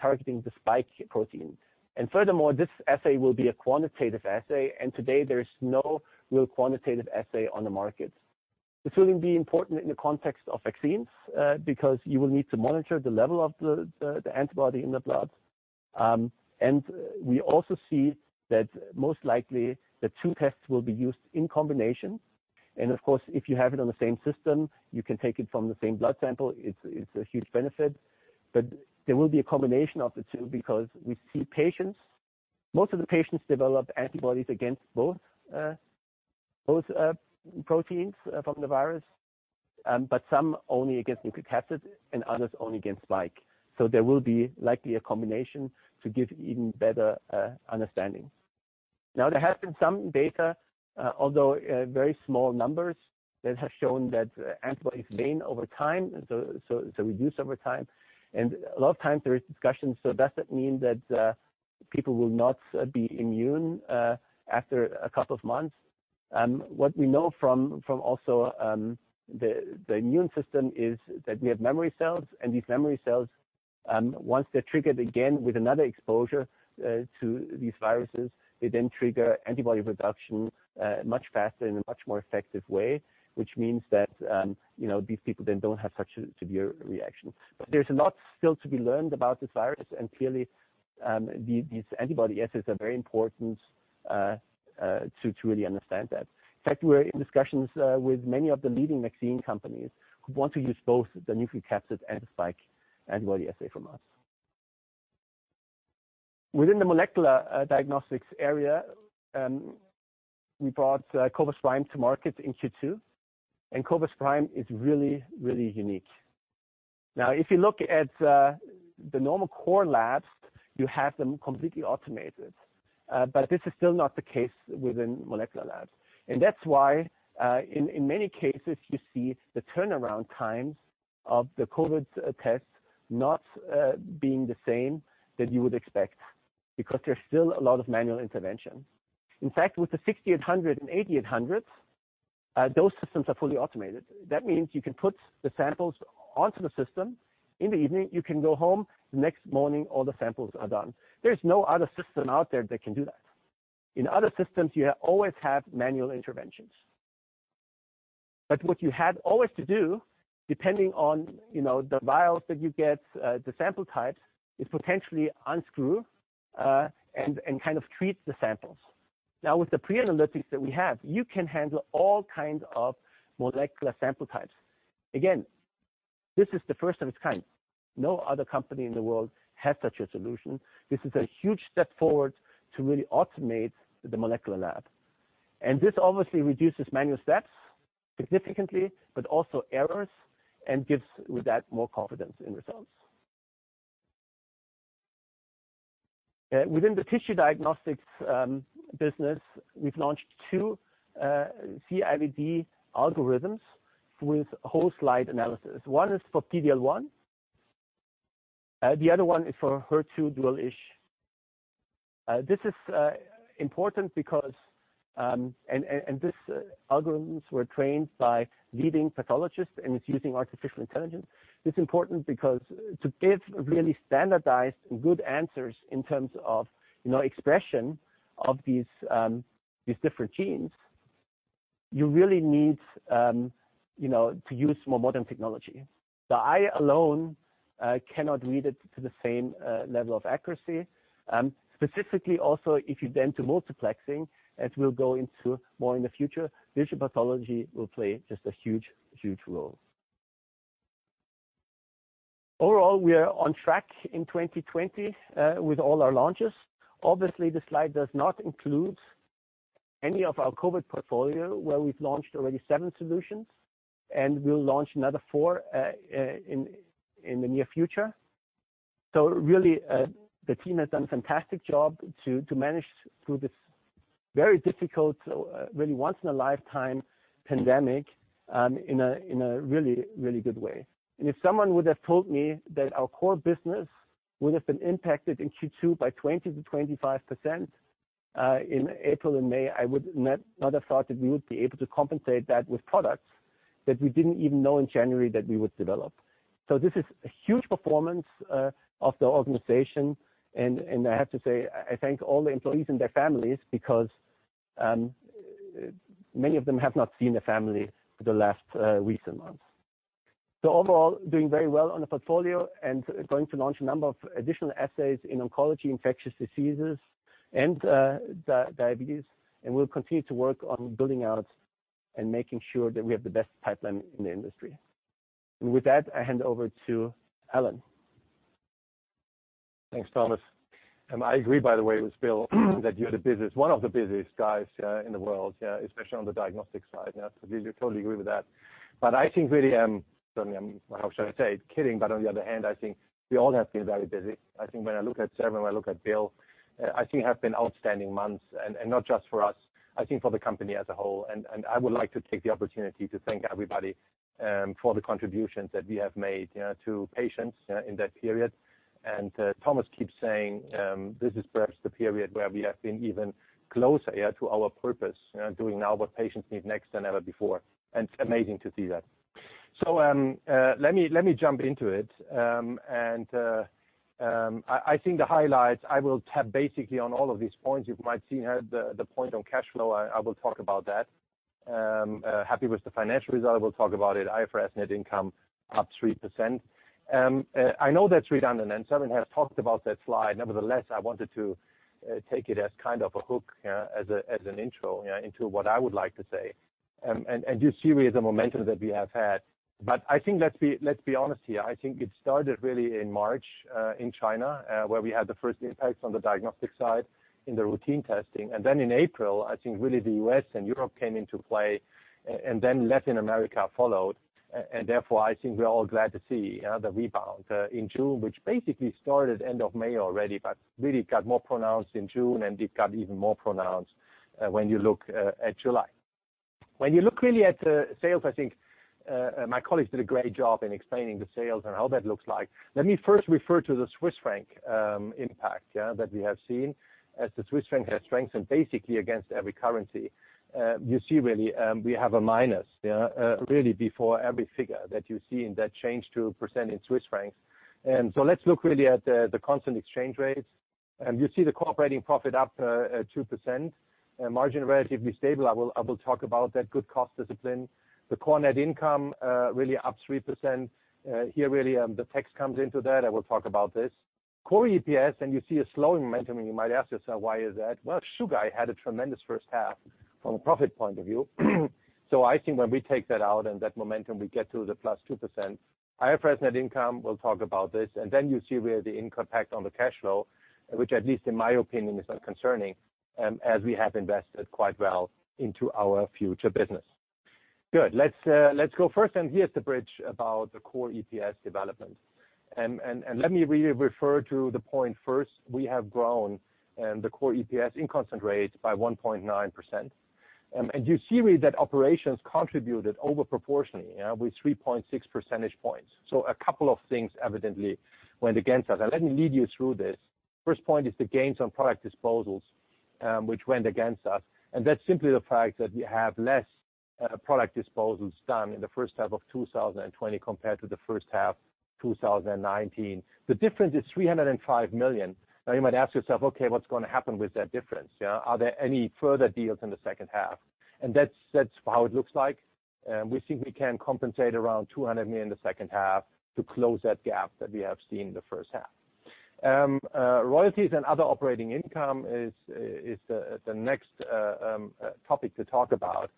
targeting the spike protein. Furthermore, this assay will be a quantitative assay, and today there is no real quantitative assay on the market. This will be important in the context of vaccines, because you will need to monitor the level of the antibody in the blood. We also see that most likely the two tests will be used in combination. Of course, if you have it on the same system, you can take it from the same blood sample. It's a huge benefit. There will be a combination of the two because we see patients, most of the patients develop antibodies against both proteins from the virus, but some only against nucleocapsid and others only against spike. There will be likely a combination to give even better understanding. There has been some data, although very small numbers, that have shown that antibodies wane over time, so reduce over time. A lot of times there is discussion, does that mean that people will not be immune after a couple of months? What we know from also the immune system is that we have memory cells, and these memory cells, once they're triggered again with another exposure to these viruses, they then trigger antibody production much faster in a much more effective way, which means that these people then don't have such severe reactions. There's a lot still to be learned about this virus, and clearly, these antibody assays are very important to really understand that. In fact, we're in discussions with many of the leading vaccine companies who want to use both the nucleocapsid and the spike antibody assay from us. Within the molecular diagnostics area, we brought cobas prime to market in Q2, and cobas prime is really unique. Now, if you look at the normal core labs, you have them completely automated. This is still not the case within molecular labs. That's why, in many cases, you see the turnaround times of the COVID-19 tests not being the same that you would expect. Because there's still a lot of manual intervention. In fact, with the cobas 6800 and cobas 8800s, those systems are fully automated. That means you can put the samples onto the system in the evening, you can go home, the next morning, all the samples are done. There's no other system out there that can do that. In other systems, you always have manual interventions. What you had always to do, depending on the vials that you get, the sample types, is potentially unscrew, and treat the samples. Now, with the pre-analytics that we have, you can handle all kinds of molecular sample types. Again, this is the first of its kind. No other company in the world has such a solution. This is a huge step forward to really automate the molecular lab. This obviously reduces manual steps significantly, but also errors, and gives, with that, more confidence in results. Within the tissue diagnostics business, we've launched two CE-IVD algorithms with whole slide analysis. One is for PD-L1, the other one is for HER2 Dual ISH. This is important because these algorithms were trained by leading pathologists, and it's using artificial intelligence. It's important because to give really standardized and good answers in terms of expression of these different genes, you really need to use more modern technology. The eye alone cannot read it to the same level of accuracy. Specifically also, if you then do multiplexing, as we'll go into more in the future, digital pathology will play just a huge role. Overall, we are on track in 2020 with all our launches. Obviously, this slide does not include any of our COVID portfolio where we've launched already seven solutions, and we'll launch another four in the near future. Really, the team has done a fantastic job to manage through this very difficult, really once in a lifetime pandemic, in a really good way. If someone would have told me that our core business would have been impacted in Q2 by 20%-25% in April and May, I would not have thought that we would be able to compensate that with products that we didn't even know in January that we would develop. This is a huge performance of the organization. I have to say, I thank all the employees and their families because many of them have not seen their family for the last recent months. Overall, doing very well on the portfolio and going to launch a number of additional assays in oncology, infectious diseases, and diabetes. We'll continue to work on building out and making sure that we have the best pipeline in the industry. With that, I hand over to Alan. Thanks, Thomas. I agree, by the way, with Bill that you're one of the busiest guys here in the world. Yeah, especially on the diagnostic side. Yeah, we totally agree with that. I think really, certainly, how should I say it, kidding, but on the other hand, I think we all have been very busy. I think when I look at Severin, when I look at Bill, I think have been outstanding months, and not just for us, I think for the company as a whole. I would like to take the opportunity to thank everybody for the contributions that we have made to patients in that period. Thomas keeps saying, this is perhaps the period where we have been even closer, yeah, to our purpose, doing now what patients need next than ever before. It's amazing to see that. Let me jump into it. I think the highlights, I will tap basically on all of these points. You might see here the point on cash flow, I will talk about that. Happy with the financial result, I will talk about it. IFRS net income up 3%. I know that's redundant, and Severin has talked about that slide. Nevertheless, I wanted to take it as kind of a hook, as an intro, into what I would like to say. You see the momentum that we have had. I think, let's be honest here. I think it started really in March, in China, where we had the first impacts on the diagnostics side in the routine testing. Then in April, I think really the U.S. and Europe came into play, and then Latin America followed. Therefore, I think we're all glad to see the rebound in June, which basically started end of May already, but really got more pronounced in June, and it got even more pronounced when you look at July. When you look really at sales, I think my colleagues did a great job in explaining the sales and how that looks like. Let me first refer to the Swiss Franc impact, yeah, that we have seen as the Swiss Franc has strengthened basically against every currency. You see really, we have a minus, yeah, really before every figure that you see in that change to percent in Swiss Franc. Let's look really at the constant exchange rates. You see the core operating profit up 2%, margin relatively stable. I will talk about that. Good cost discipline. The core net income really up 3%. Here really, the tax comes into that. I will talk about this. Core EPS, you see a slowing momentum, you might ask yourself, why is that? Well, Chugai had a tremendous first half from a profit point of view. I think when we take that out and that momentum, we get to the plus 2%. IFRS net income, we'll talk about this. You see the impact on the cash flow, which at least in my opinion, is not concerning, as we have invested quite well into our future business. Good. Let's go first, here's the bridge about the Core EPS development. Let me refer to the point first. We have grown the Core EPS in constant rates by 1.9%. You see that operations contributed overproportionally, with 3.6 percentage points. A couple of things evidently went against us. Let me lead you through this. First point is the gains on product disposals, which went against us. That's simply the fact that we have less product disposals done in the first half of 2020 compared to the first half 2019. The difference is 305 million. You might ask yourself, "Okay, what's going to happen with that difference? Are there any further deals in the second half?" That's how it looks like. We think we can compensate around 200 million in the second half to close that gap that we have seen in the first half. Royalties and other operating income is the next topic to talk about.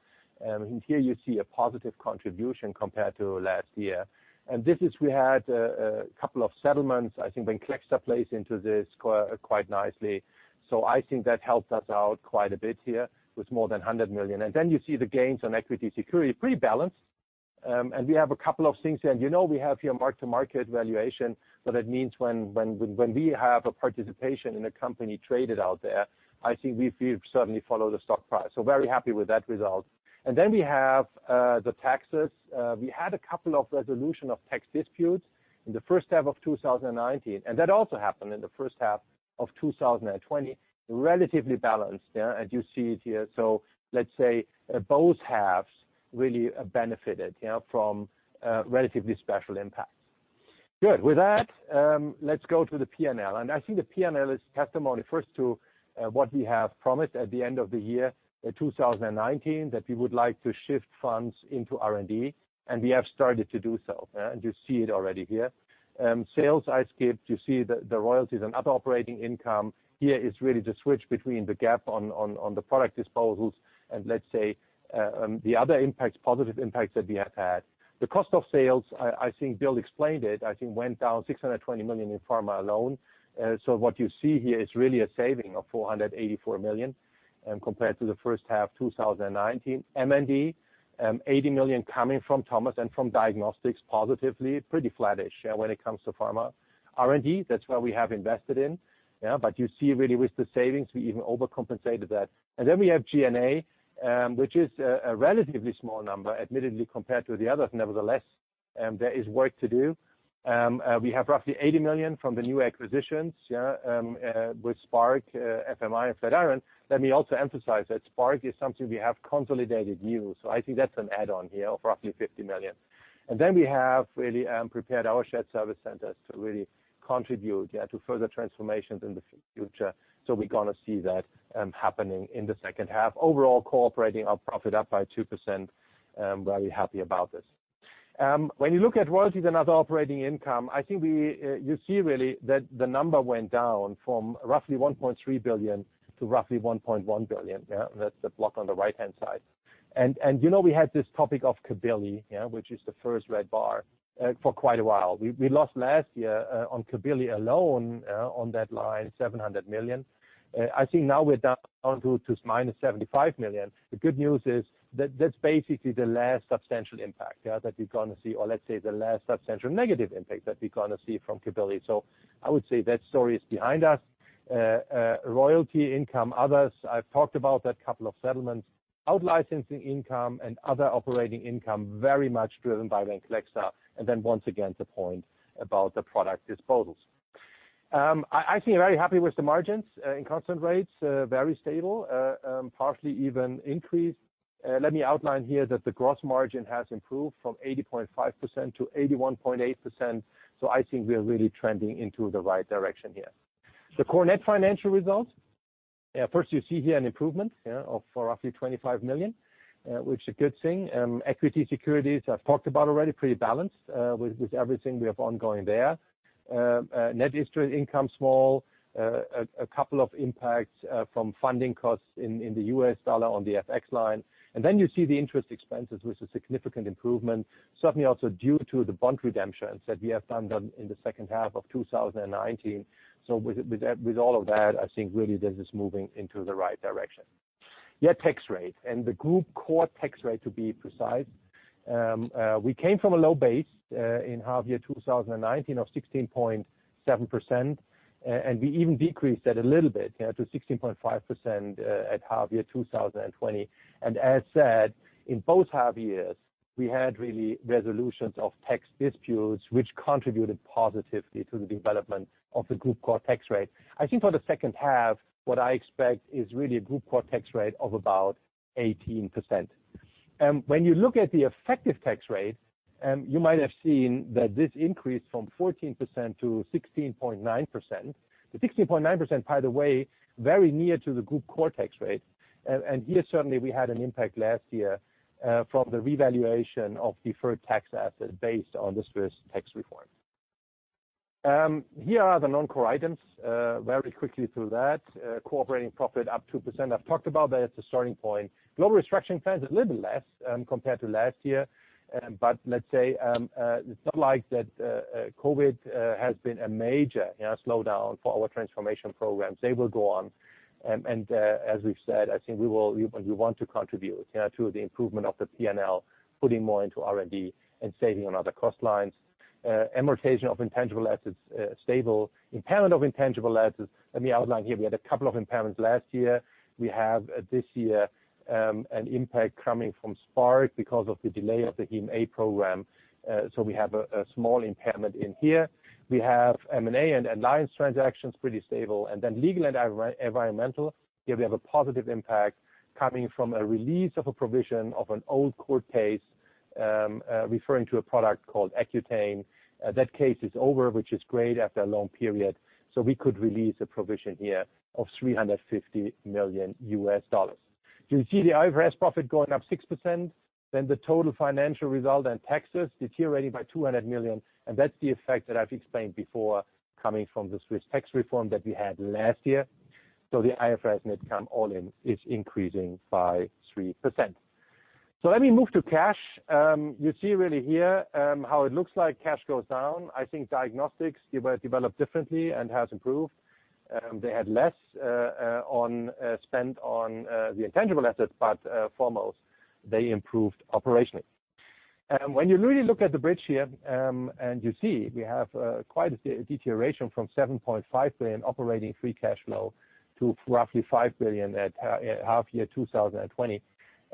Here you see a positive contribution compared to last year. This is, we had a couple of settlements. I think Venclexta plays into this quite nicely. I think that helped us out quite a bit here, with more than 100 million. You see the gains on equity security, pretty balanced. We have a couple of things there. We have here mark-to-market valuation. That means when we have a participation in a company traded out there, I think we certainly follow the stock price. Very happy with that result. We have the taxes. We had a couple of resolution of tax disputes in the first half of 2019, and that also happened in the first half of 2020. Relatively balanced, as you see it here. Let's say both halves really benefited from relatively special impacts. Good. With that, let's go to the P&L. I think the P&L is testimony first to what we have promised at the end of the year, in 2019, that we would like to shift funds into R&D, and we have started to do so. You see it already here. Sales, I skipped. You see the royalties and other operating income. Here is really the switch between the gap on the product disposals and let's say, the other positive impacts that we have had. The cost of sales, I think Bill explained it, I think went down 620 million in pharma alone. What you see here is really a saving of 484 million compared to the first half 2019. M&D, 80 million coming from Thomas and from diagnostics positively. Pretty flattish when it comes to pharma. R&D, that's where we have invested in. You see really with the savings, we even overcompensated that. We have G&A, which is a relatively small number, admittedly, compared to the others. Nevertheless, there is work to do. We have roughly 80 million from the new acquisitions with Spark, FMI and Flatiron. Let me also emphasize that Spark is something we have consolidated new, so I think that's an add-on here of roughly 50 million. We have really prepared our shared service centers to really contribute to further transformations in the future. We're going to see that happening in the second half. Overall core operating profit up by 2%. Very happy about this. When you look at royalties and other operating income, I think you see really that the number went down from roughly 1.3 billion to roughly 1.1 billion. That's the block on the right-hand side. We had this topic of CellCept, which is the first red bar, for quite a while. We lost last year on CellCept alone, on that line, 700 million. I think now we're down to CHF-75 million. The good news is that that's basically the last substantial impact that we're going to see or let's say the last substantial negative impact that we're going to see from CellCept. I would say that story is behind us. Royalty income, others, I've talked about that. Couple of settlements. Out-licensing income and other operating income, very much driven by Venclexta. Once again, the point about the product disposals. I think very happy with the margins. In constant rates, very stable, partially even increased. Let me outline here that the gross margin has improved from 80.5%-81.8%, so I think we are really trending into the right direction here. The core net financial results. First you see here an improvement of roughly 25 million, which is a good thing. Equity securities, I've talked about already, pretty balanced with everything we have ongoing there. Net interest income, small. A couple of impacts from funding costs in the U.S. dollar on the FX line. You see the interest expenses with a significant improvement, certainly also due to the bond redemptions that we have done in the second half of 2019. With all of that, I think really this is moving into the right direction. Tax rate, the group core tax rate, to be precise. We came from a low base in half year 2019 of 16.7%, we even decreased that a little bit to 16.5% at half year 2020. As said, in both half years, we had really resolutions of tax disputes, which contributed positively to the development of the group core tax rate. I think for the second half, what I expect is really a group core tax rate of about 18%. When you look at the effective tax rate, you might have seen that this increased from 14%-16.9%. The 16.9%, by the way, very near to the group core tax rate. Here, certainly we had an impact last year from the revaluation of deferred tax assets based on the Swiss tax reform. Here are the non-core items. Very quickly through that. Core operating profit up 2%. I've talked about that as a starting point. Global restructuring plans, a little less compared to last year. Let's say, it's not like that COVID has been a major slowdown for our transformation programs. They will go on. As we've said, I think we want to contribute to the improvement of the P&L, putting more into R&D and saving on other cost lines. Amortization of intangible assets stable. Impairment of intangible assets, let me outline here. We had a couple of impairments last year. We have, this year, an impact coming from Spark because of the delay of the HemA program. We have a small impairment in here. We have M&A and alliance transactions pretty stable. Legal and environmental, here we have a positive impact coming from a release of a provision of an old court case referring to a product called Accutane. That case is over, which is great after a long period. We could release a provision here of $350 million. You see the IFRS profit going up 6%, then the total financial result and taxes deteriorating by 200 million, and that's the effect that I've explained before, coming from the Swiss tax reform that we had last year. The IFRS net income all in is increasing by 3%. Let me move to cash. You see really here how it looks like cash goes down. I think diagnostics developed differently and has improved. They had less spend on the intangible assets, foremost, they improved operationally. When you really look at the bridge here, and you see we have quite a deterioration from 7.5 billion operating free cash flow to roughly 5 billion at half year 2020.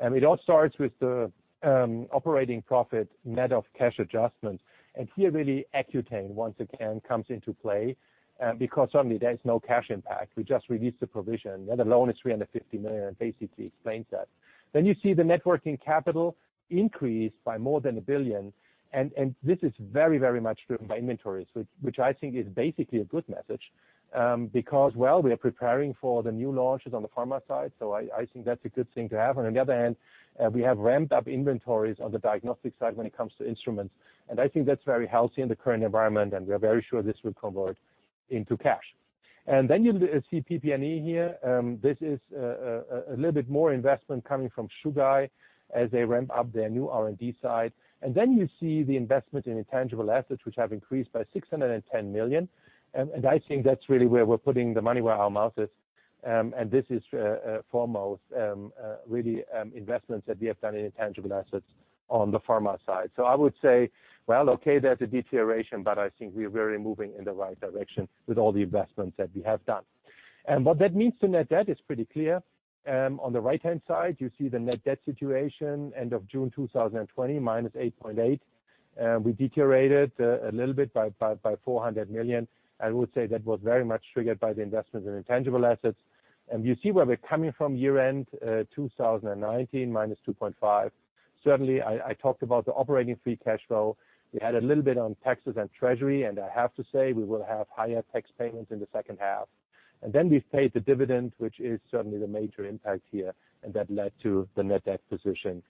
It all starts with the operating profit net of cash adjustments. Here, really Accutane once again comes into play. Because certainly there is no cash impact. We just released the provision. That alone is $350 million and basically explains that. You see the net working capital increased by more than 1 billion. This is very much driven by inventories, which I think is basically a good message. Well, we are preparing for the new launches on the Pharma, I think that's a good thing to have. On the other hand, we have ramped up inventories on the diagnostics when it comes to instruments. I think that's very healthy in the current environment, we are very sure this will convert into cash. Then you see PP&E here. This is a little bit more investment coming from Chugai as they ramp up their new R&D. Then you see the investment in intangible assets, which have increased by 610 million. I think that's really where we're putting the money where our mouth is. This is foremost really investments that we have done in intangible assets on the Pharma. I would say, well, okay, there's a deterioration, but I think we are really moving in the right direction with all the investments that we have done. What that means to net debt is pretty clear. On the right-hand side, you see the net debt situation, end of June 2020, -8.8 billion. We deteriorated a little bit by 400 million. I would say that was very much triggered by the investments in intangible assets. You see where we're coming from year-end 2019, -2.5 billion. Certainly, I talked about the operating free cash flow. We had a little bit on taxes and treasury, and I have to say, we will have higher tax payments in the second half. We've paid the dividend, which is certainly the major impact here, and that led to the net debt position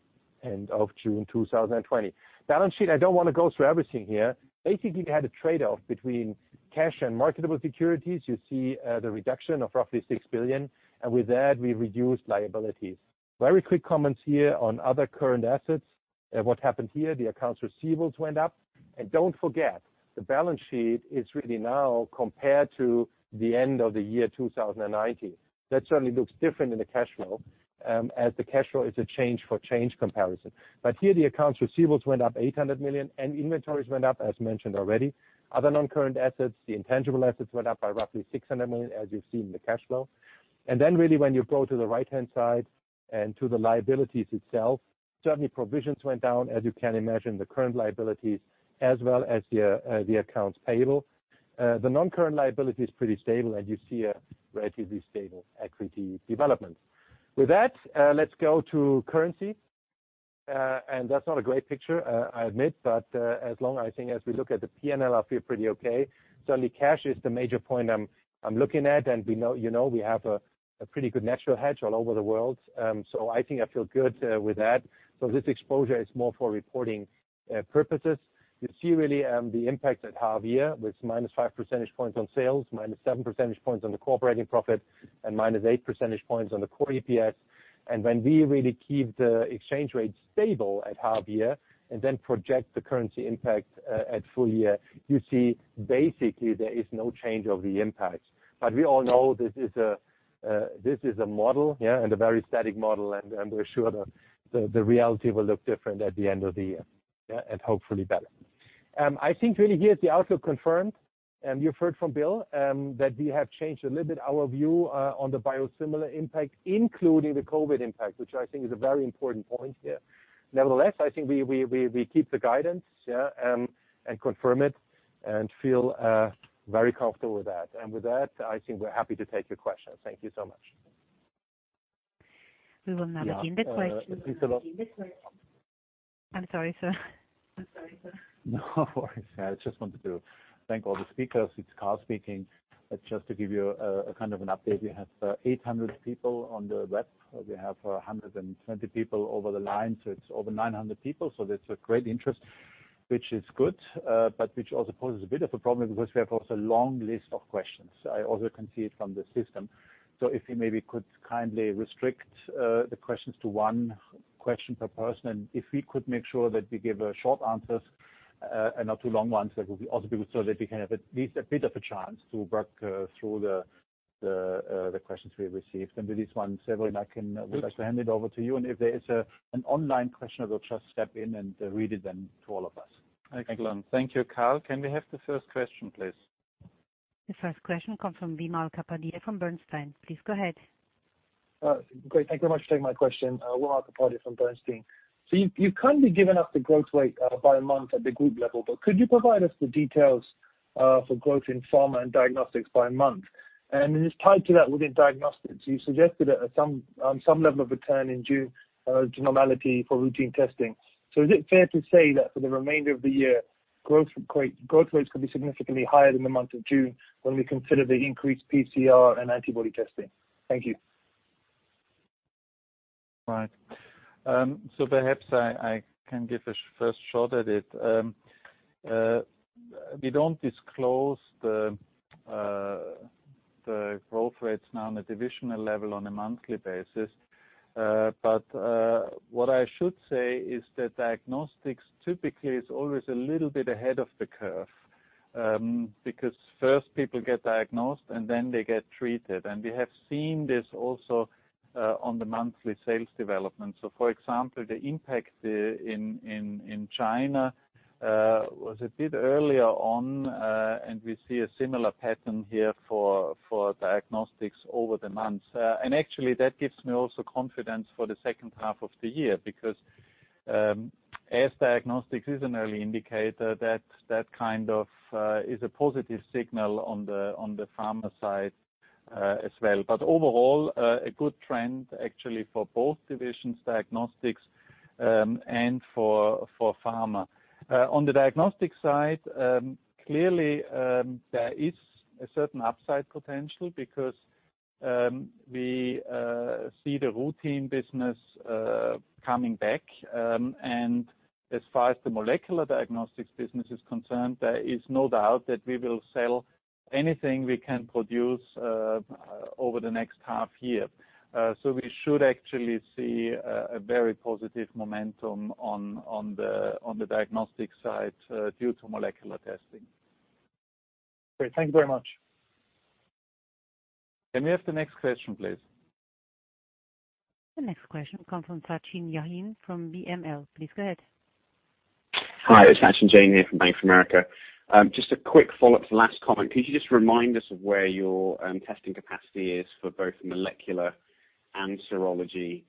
end of June 2020. Balance sheet, I don't want to go through everything here. Basically, we had a trade-off between cash and marketable securities. You see the reduction of roughly 6 billion. With that, we reduced liabilities. Very quick comments here on other current assets. What happened here, the accounts receivables went up. Don't forget, the balance sheet is really now compared to the end of the year 2019. That certainly looks different in the cash flow, as the cash flow is a change for change comparison. Here the accounts receivables went up 800 million. Inventories went up, as mentioned already. Other non-current assets, the intangible assets went up by roughly 600 million, as you see in the cash flow. Really when you go to the right-hand side and to the liabilities itself, certainly provisions went down, as you can imagine, the current liabilities as well as the accounts payable. The non-current liability is pretty stable, and you see a relatively stable equity development. With that, let's go to currency. That's not a great picture, I admit, but as long, I think, as we look at the P&L, I feel pretty okay. Certainly cash is the major point I'm looking at, and we have a pretty good natural hedge all over the world. I think I feel good with that. This exposure is more for reporting purposes. You see really the impact at half year, with minus five percentage points on sales, minus seven percentage points on the core operating profit, and minus eight percentage points on the Core EPS. When we really keep the exchange rate stable at half year and then project the currency impact at full year, you see basically there is no change of the impact. We all know this is a model, and a very static model, and we're sure the reality will look different at the end of the year. Hopefully better. I think really here is the outlook confirmed. You've heard from Bill that we have changed a little bit our view on the biosimilar impact, including the COVID impact, which I think is a very important point here. I think we keep the guidance, and confirm it and feel very comfortable with that. With that, I think we're happy to take your questions. Thank you so much. We will now begin the questions. Yeah. I'm sorry, sir. No worries. I just wanted to thank all the speakers. It's Karl speaking. To give you a kind of an update, we have 800 people on the web. We have 120 people over the line, it's over 900 people. There's a great interest, which is good. Which also poses a bit of a problem because we have also a long list of questions. I also can see it from the system. If you maybe could kindly restrict the questions to one question per person. If we could make sure that we give short answers and not too long ones, that would be also good so that we can have at least a bit of a chance to work through the list. The questions we received and with this one, Severin, I would like to hand it over to you, and if there is an online question, I will just step in and read it then to all of us. Excellent. Thank you, Karl. Can we have the first question, please? The first question comes from Wimal Kapadia from Bernstein. Please go ahead. Great. Thank you very much for taking my question. Wimal Kapadia from Bernstein. You've kindly given us the growth rate by month at the group level, but could you provide us the details for growth in pharma and diagnostics by month? Just tied to that, within diagnostics, you suggested some level of a turn in June to normality for routine testing. Is it fair to say that for the remainder of the year, growth rates could be significantly higher than the month of June when we consider the increased PCR and antibody testing? Thank you. Right. Perhaps I can give a first shot at it. We don't disclose the growth rates now on a divisional level on a monthly basis. What I should say is that diagnostics typically is always a little bit ahead of the curve, because first people get diagnosed and then they get treated. We have seen this also on the monthly sales development. For example, the impact in China was a bit earlier on, and we see a similar pattern here for diagnostics over the months. Actually, that gives me also confidence for the second half of the year because as diagnostics is an early indicator, that kind of is a positive signal on the pharma side as well. Overall, a good trend actually for both divisions, diagnostics and for pharma. On the diagnostic side, clearly, there is a certain upside potential because we see the routine business coming back. As far as the molecular diagnostics business is concerned, there is no doubt that we will sell anything we can produce over the next half year. We should actually see a very positive momentum on the diagnostic side due to molecular testing. Great. Thank you very much. Can we have the next question, please? The next question comes from Sachin Jain from BML. Please go ahead. Hi, Sachin Jain here from Bank of America. Just a quick follow-up to last comment. Could you just remind us of where your testing capacity is for both molecular and serology,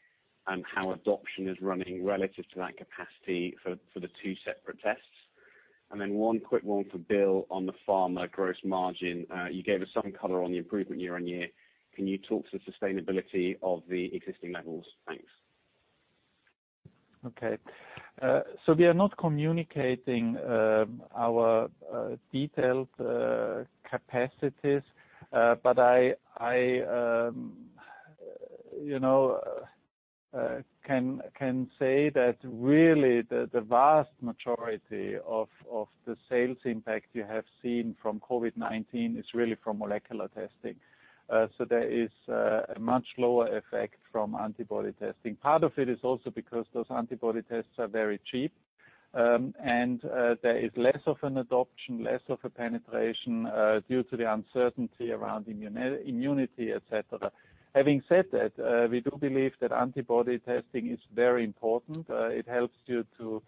and how adoption is running relative to that capacity for the two separate tests? Then one quick one for Bill on the pharma gross margin. You gave us some color on the improvement year-on-year. Can you talk to the sustainability of the existing levels? Thanks. Okay. We are not communicating our detailed capacities. I can say that really the vast majority of the sales impact you have seen from COVID-19 is really from molecular testing. There is a much lower effect from antibody testing. Part of it is also because those antibody tests are very cheap, and there is less of an adoption, less of a penetration, due to the uncertainty around immunity, et cetera. Having said that, we do believe that antibody testing is very important. It helps you to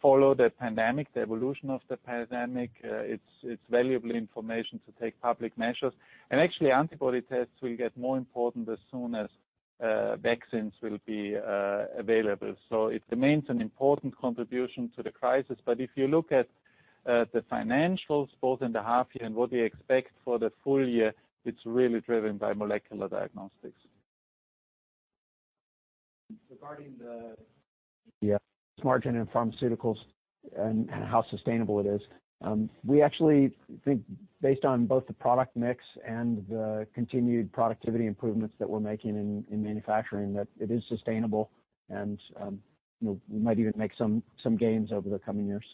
follow the pandemic, the evolution of the pandemic. It's valuable information to take public measures. Actually, antibody tests will get more important as soon as vaccines will be available. It remains an important contribution to the crisis, but if you look at the financials, both in the half year and what we expect for the full year, it's really driven by molecular diagnostics. Regarding the gross margin in pharmaceuticals and how sustainable it is. We actually think based on both the product mix and the continued productivity improvements that we're making in manufacturing, that it is sustainable and we might even make some gains over the coming years.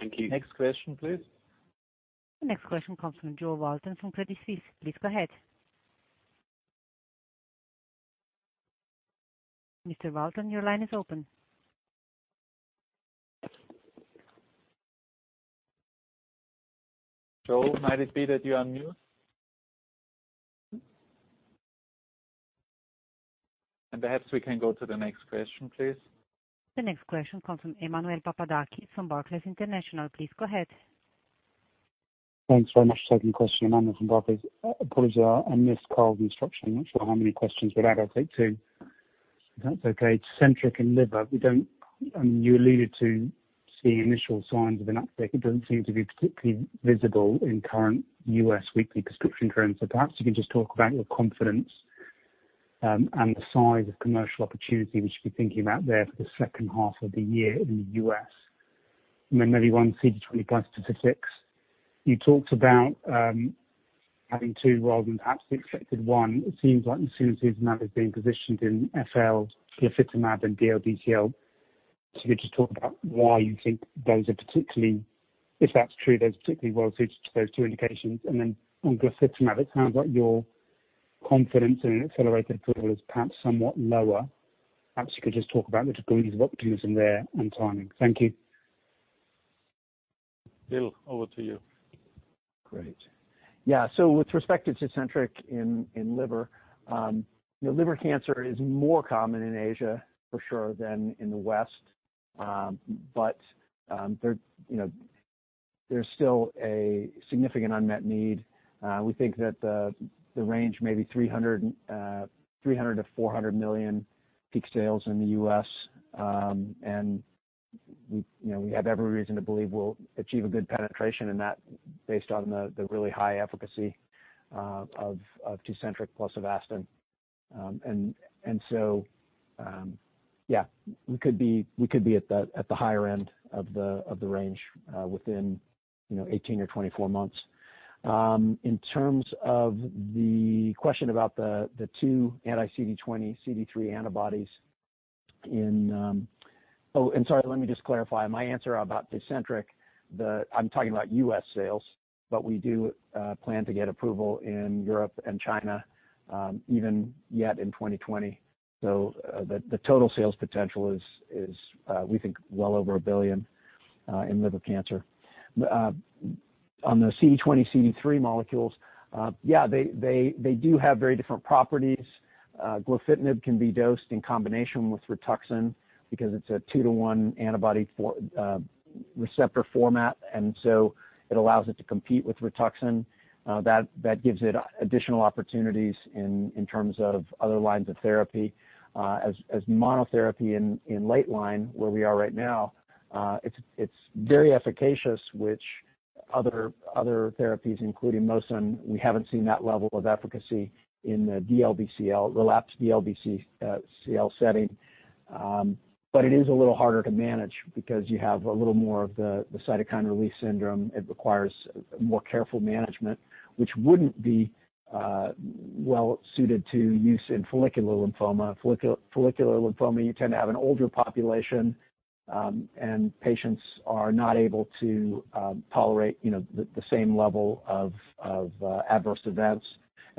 Thank you. Next question, please. The next question comes from Jo Walton from Credit Suisse. Please go ahead. Mr. Walton, your line is open. Jo, might it be that you're on mute? Perhaps we can go to the next question, please. The next question comes from Emmanuel Papadakis from Barclays International. Please go ahead. Thanks very much. Second question, Emmanuel from Barclays. Apologies, I missed Karl's instruction. Not sure how many questions we're allowed. I'll take two, if that's okay. Tecentriq and liver. You alluded to seeing initial signs of an uptick. It doesn't seem to be particularly visible in current U.S. weekly prescription trends. Perhaps you can just talk about your confidence and the size of commercial opportunity we should be thinking about there for the second half of the year in the U.S. Maybe one CD20 bistatistics. You talked about having two rather than perhaps the expected one. It seems like mosunetuzumab is being positioned in FL glofitamab and DLBCL. Could you just talk about why you think those are particularly, if that's true, those are particularly well-suited to those two indications? On glofitamab, it sounds like your confidence in an accelerated approval is perhaps somewhat lower. Perhaps you could just talk about the degrees of optimism there and timing. Thank you. Bill, over to you. Great. Yeah. With respect to Tecentriq in liver cancer is more common in Asia, for sure, than in the West. There's still a significant unmet need. We think that the range may be 300 million-400 million peak sales in the U.S., and we have every reason to believe we'll achieve a good penetration in that based on the really high efficacy of Tecentriq plus Avastin. Yeah, we could be at the higher end of the range within 18-24 months. In terms of the question about the two anti-CD20/CD3 antibodies, let me just clarify. My answer about Tecentriq, I'm talking about U.S. sales. We do plan to get approval in Europe and China, even yet in 2020. The total sales potential is, we think, well over 1 billion in liver cancer. On the CD20/CD3 molecules, yeah, they do have very different properties. glofitamab can be dosed in combination with Rituxan because it's a two-to-one antibody receptor format, and so it allows it to compete with Rituxan. That gives it additional opportunities in terms of other lines of therapy. As monotherapy in late line, where we are right now, it's very efficacious, which other therapies, including mosunetuzumab, we haven't seen that level of efficacy in the relapsed DLBCL setting. It is a little harder to manage because you have a little more of the cytokine release syndrome. It requires more careful management, which wouldn't be well suited to use in follicular lymphoma. Follicular lymphoma, you tend to have an older population, and patients are not able to tolerate the same level of adverse events.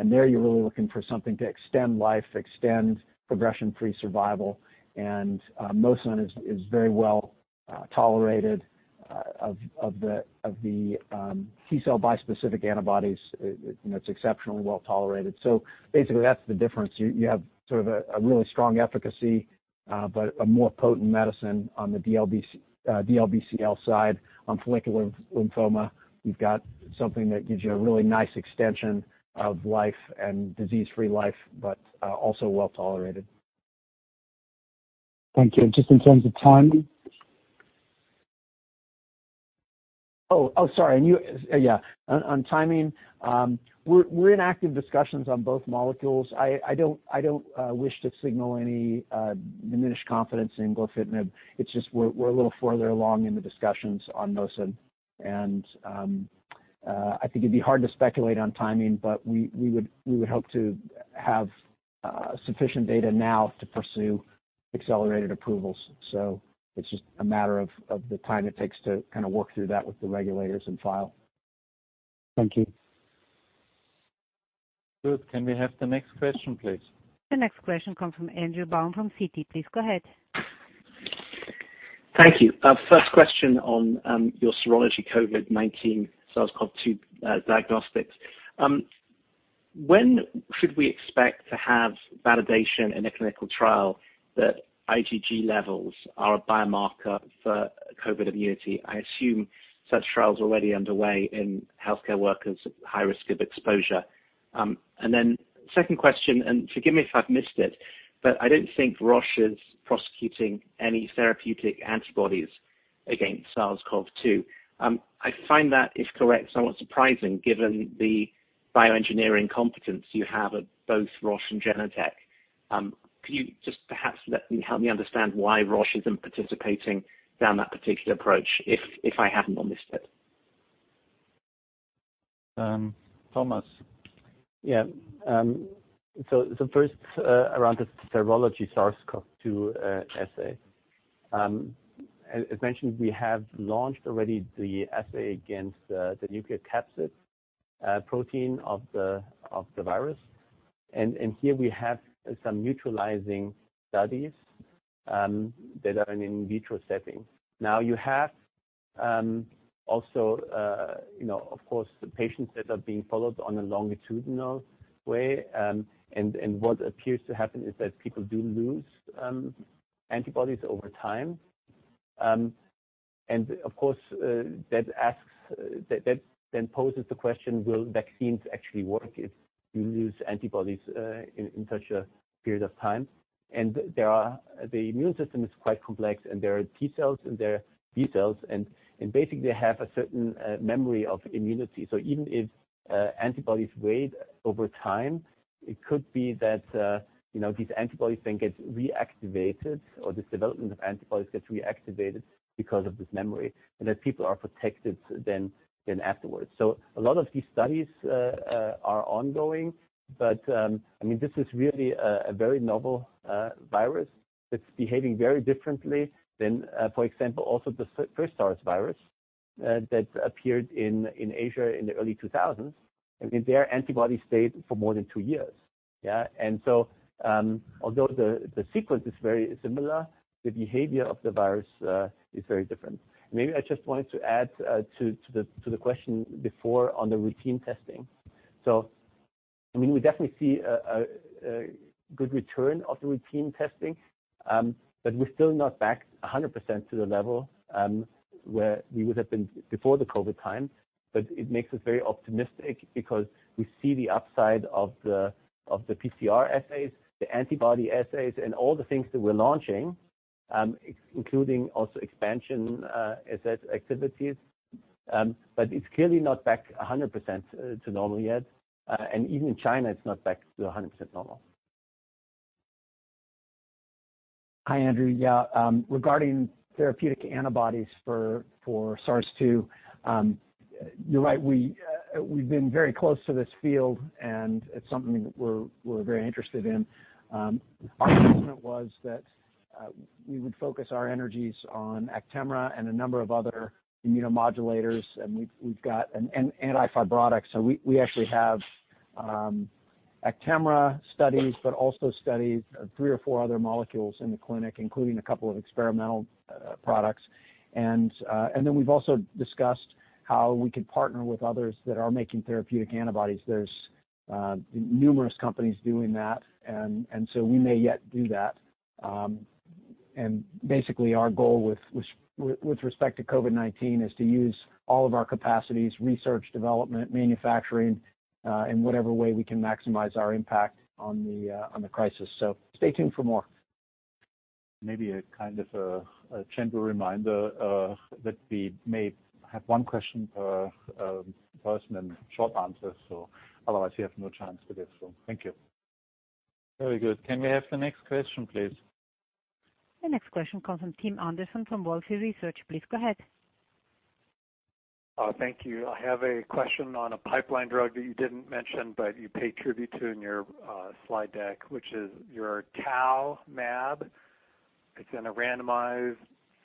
There you're really looking for something to extend life, extend progression-free survival, and mosun is very well tolerated. Of the T-cell bispecific antibodies, it's exceptionally well tolerated. Basically, that's the difference. You have sort of a really strong efficacy, but a more potent medicine on the DLBCL side. On follicular lymphoma, you've got something that gives you a really nice extension of life and disease-free life, but also well tolerated. Thank you. Just in terms of timing? Oh, sorry. Yeah. On timing, we're in active discussions on both molecules. I don't wish to signal any diminished confidence in glofitamab. It's just we're a little further along in the discussions on mosunetuzumab. I think it'd be hard to speculate on timing, but we would hope to have sufficient data now to pursue accelerated approvals. It's just a matter of the time it takes to kind of work through that with the regulators and file. Thank you. Good. Can we have the next question, please? The next question comes from Andrew Baum from Citi. Please go ahead. Thank you. First question on your serology COVID-19 SARS-CoV-2 diagnostics. When should we expect to have validation in a clinical trial that IgG levels are a biomarker for COVID immunity? I assume such trials are already underway in healthcare workers at high risk of exposure. Then second question, and forgive me if I've missed it, but I don't think Roche is prosecuting any therapeutic antibodies against SARS-CoV-2. I find that, if correct, somewhat surprising given the bioengineering competence you have at both Roche and Genentech. Can you just perhaps help me understand why Roche isn't participating down that particular approach, if I haven't missed it? Thomas. Yeah. First, around the serology SARS-CoV-2 assay. As mentioned, we have launched already the assay against the nuclear capsid protein of the virus. Here we have some neutralizing studies that are in vitro settings. You have also, of course, the patients that are being followed on a longitudinal way. What appears to happen is that people do lose antibodies over time. Of course, that then poses the question, will vaccines actually work if you lose antibodies in such a period of time? The immune system is quite complex. There are T-cells in there, B-cells. Basically, they have a certain memory of immunity. Even if antibodies wane over time, it could be that these antibody thing gets reactivated, or this development of antibodies gets reactivated because of this memory. That people are protected then afterwards. A lot of these studies are ongoing. This is really a very novel virus that's behaving very differently than, for example, also the first SARS virus that appeared in Asia in the early 2000s. Their antibody stayed for more than two years. Yeah. Although the sequence is very similar, the behavior of the virus is very different. Maybe I just wanted to add to the question before on the routine testing. We definitely see a good return of the routine testing, but we're still not back 100% to the level where we would have been before the COVID time. It makes us very optimistic because we see the upside of the PCR assays, the antibody assays, and all the things that we're launching, including also expansion assay activities. It's clearly not back 100% to normal yet. Even in China, it's not back to 100% normal. Hi, Andrew. Yeah, regarding therapeutic antibodies for SARS-CoV-2, you're right. We've been very close to this field. It's something we're very interested in. Our commitment was that we would focus our energies on Actemra and a number of other immunomodulators. We've got an anti-fibrotic. We actually have Actemra studies, but also studies of three or four other molecules in the clinic, including a couple of experimental products. We've also discussed how we could partner with others that are making therapeutic antibodies. There's numerous companies doing that. We may yet do that. Basically, our goal with respect to COVID-19 is to use all of our capacities, research, development, manufacturing, in whatever way we can maximize our impact on the crisis. Stay tuned for more. Maybe a kind of a gentle reminder that we may have one question per person and short answers. Otherwise, we have no chance to get through. Thank you. Very good. Can we have the next question, please? The next question comes from Tim Anderson from Wolfe Research. Please go ahead. Thank you. I have a question on a pipeline drug that you didn't mention, but you pay tribute to in your slide deck, which is your Tau mAb. It's in a randomized,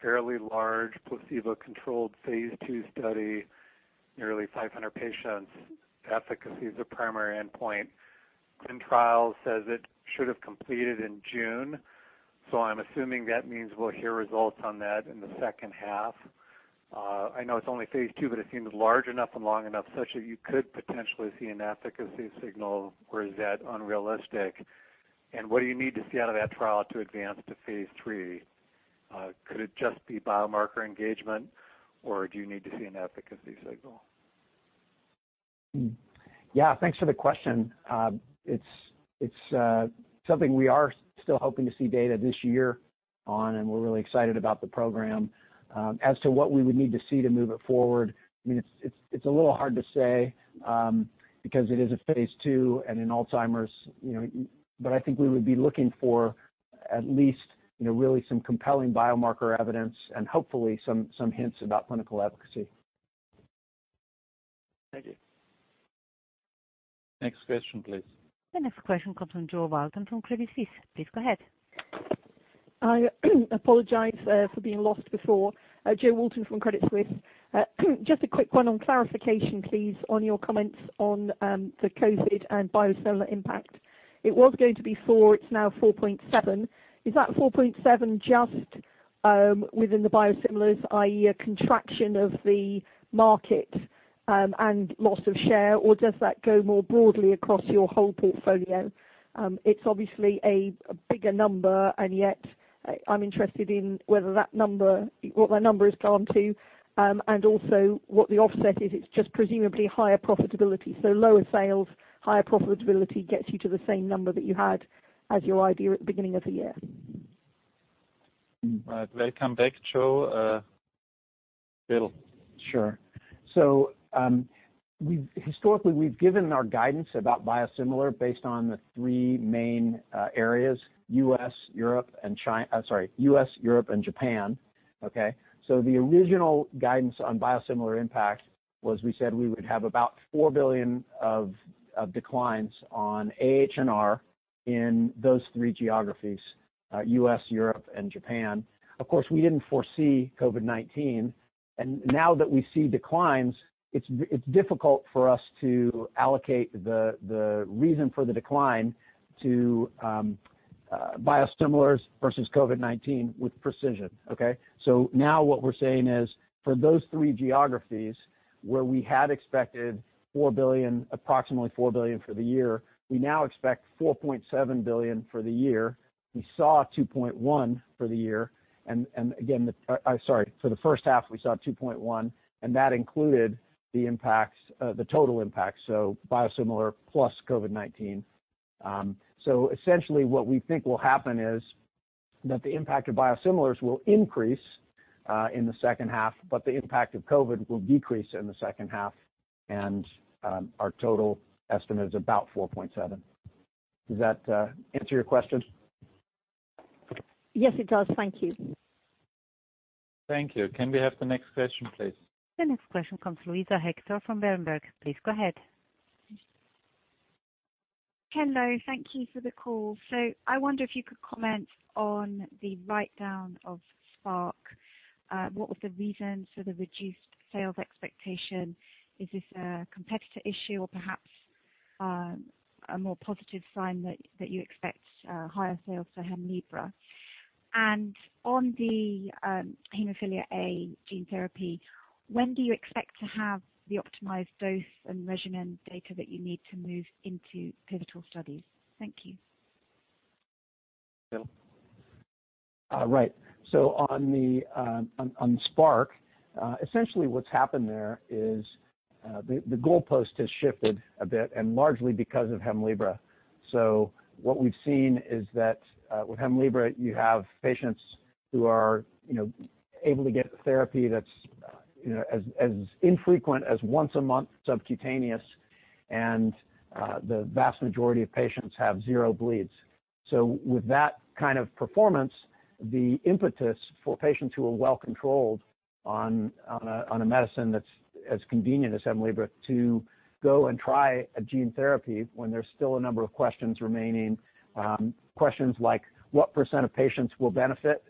fairly large placebo-controlled phase II study, nearly 500 patients. Efficacy is the primary endpoint. Clinical Trial says it should have completed in June, I'm assuming that means we'll hear results on that in the second half. I know it's only phase II, it seems large enough and long enough such that you could potentially see an efficacy signal, or is that unrealistic? What do you need to see out of that trial to advance to phase III? Could it just be biomarker engagement, or do you need to see an efficacy signal? Yeah. Thanks for the question. It's something we are still hoping to see data this year on, and we're really excited about the program. As to what we would need to see to move it forward, it's a little hard to say because it is a phase II and in Alzheimer's. I think we would be looking for at least really some compelling biomarker evidence and hopefully some hints about clinical efficacy. Thank you. Next question, please. The next question comes from Jo Walton from Credit Suisse. Please go ahead. I apologize for being lost before. Jo Walton from Credit Suisse. Just a quick one on clarification, please, on your comments on the COVID and biosimilar impact. It was going to be four, it's now 4.7 billion. Is that 4.7 billion just within the biosimilars, i.e., a contraction of the market and loss of share, or does that go more broadly across your whole portfolio? It's obviously a bigger number, and yet I'm interested in what that number has gone to and also what the offset is. It's just presumably higher profitability. Lower sales, higher profitability gets you to the same number that you had as your idea at the beginning of the year. Welcome back, Jo. Bill. Sure. Historically, we've given our guidance about biosimilar based on the three main areas: U.S., Europe, and China-- sorry, U.S., Europe, and Japan. Okay? The original guidance on biosimilar impact was we said we would have about 4 billion of declines on AHR in those three geographies, U.S., Europe, and Japan. Of course, we didn't foresee COVID-19, and now that we see declines, it's difficult for us to allocate the reason for the decline to biosimilars versus COVID-19 with precision. Okay? Now what we're saying is for those three geographies where we had expected approximately 4 billion for the year, we now expect 4.7 billion for the year. We saw 2.1 billion for the year, and again-- sorry, for the first half, we saw 2.1 billion, and that included the total impact, so biosimilar plus COVID-19. Essentially what we think will happen is that the impact of biosimilars will increase in the second half, but the impact of COVID will decrease in the second half, and our total estimate is about 4.7 billion. Does that answer your question? Yes, it does. Thank you. Thank you. Can we have the next question, please? The next question comes from Luisa Hector from Berenberg. Please go ahead. Hello. Thank you for the call. I wonder if you could comment on the write-down of Spark. What was the reason for the reduced sales expectation? Is this a competitor issue or perhaps a more positive sign that you expect higher sales for HEMLIBRA? On the hemophilia A gene therapy, when do you expect to have the optimized dose and regimen data that you need to move into pivotal studies? Thank you. Bill. Right. On Spark, essentially what's happened there is the goalpost has shifted a bit, and largely because of HEMLIBRA. What we've seen is that with HEMLIBRA, you have patients who are able to get therapy that's as infrequent as once-a-month subcutaneous, and the vast majority of patients have zero bleeds. With that kind of performance, the impetus for patients who are well-controlled on a medicine that's as convenient as HEMLIBRA to go and try a gene therapy when there's still a number of questions remaining. Questions like what % of patients will benefit,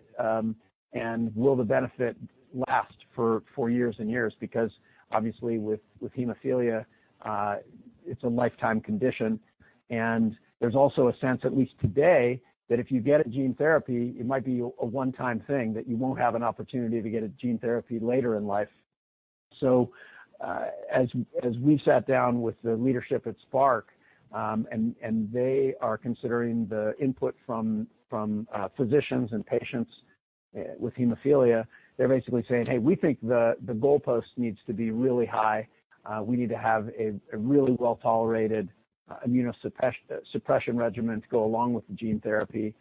and will the benefit last for years and years? Because obviously with hemophilia, it's a lifetime condition, and there's also a sense, at least today, that if you get a gene therapy, it might be a one-time thing, that you won't have an opportunity to get a gene therapy later in life. As we've sat down with the leadership at Spark, they are considering the input from physicians and patients with hemophilia, they're basically saying, "Hey, we think the goalpost needs to be really high. We need to have a really well-tolerated immunosuppression regimen to go along with the gene therapy."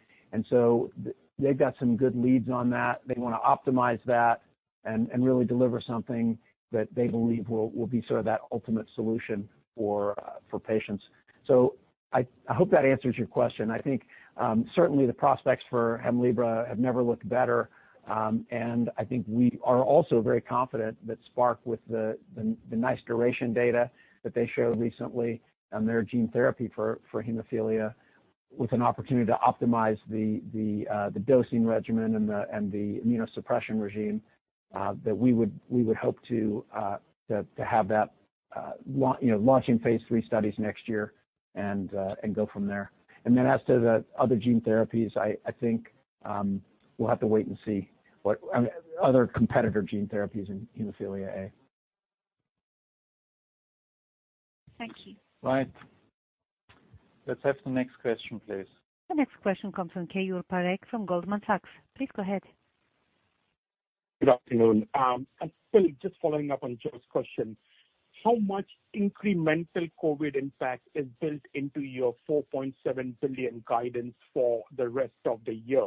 They've got some good leads on that. They want to optimize that and really deliver something that they believe will be sort of that ultimate solution for patients. I hope that answers your question. I think certainly the prospects for HEMLIBRA have never looked better. I think we are also very confident that Spark with the nice duration data that they showed recently on their gene therapy for hemophilia, with an opportunity to optimize the dosing regimen and the immunosuppression regime, that we would hope to have that launching phase III studies next year and go from there. Then as to the other gene therapies, I think we'll have to wait and see what other competitor gene therapies in hemophilia A. Thank you. Right. Let's have the next question, please. The next question comes from Keyur Parekh from Goldman Sachs. Please go ahead. Good afternoon. Bill, just following up on Jo's question, how much incremental COVID impact is built into your 4.7 billion guidance for the rest of the year?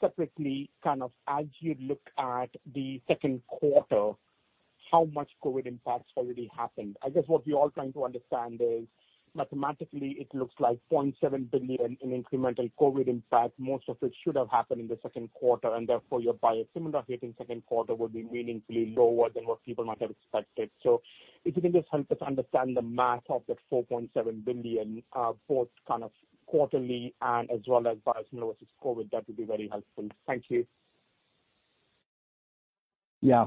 Separately, as you look at the second quarter, how much COVID impact already happened? I guess what we're all trying to understand is, mathematically, it looks like 0.7 billion in incremental COVID impact, most of which should have happened in the second quarter, therefore, your biosimilar hit in second quarter would be meaningfully lower than what people might have expected. If you can just help us understand the math of that 4.7 billion, both quarterly and as well as biosimilars with COVID, that would be very helpful. Thank you. Yeah.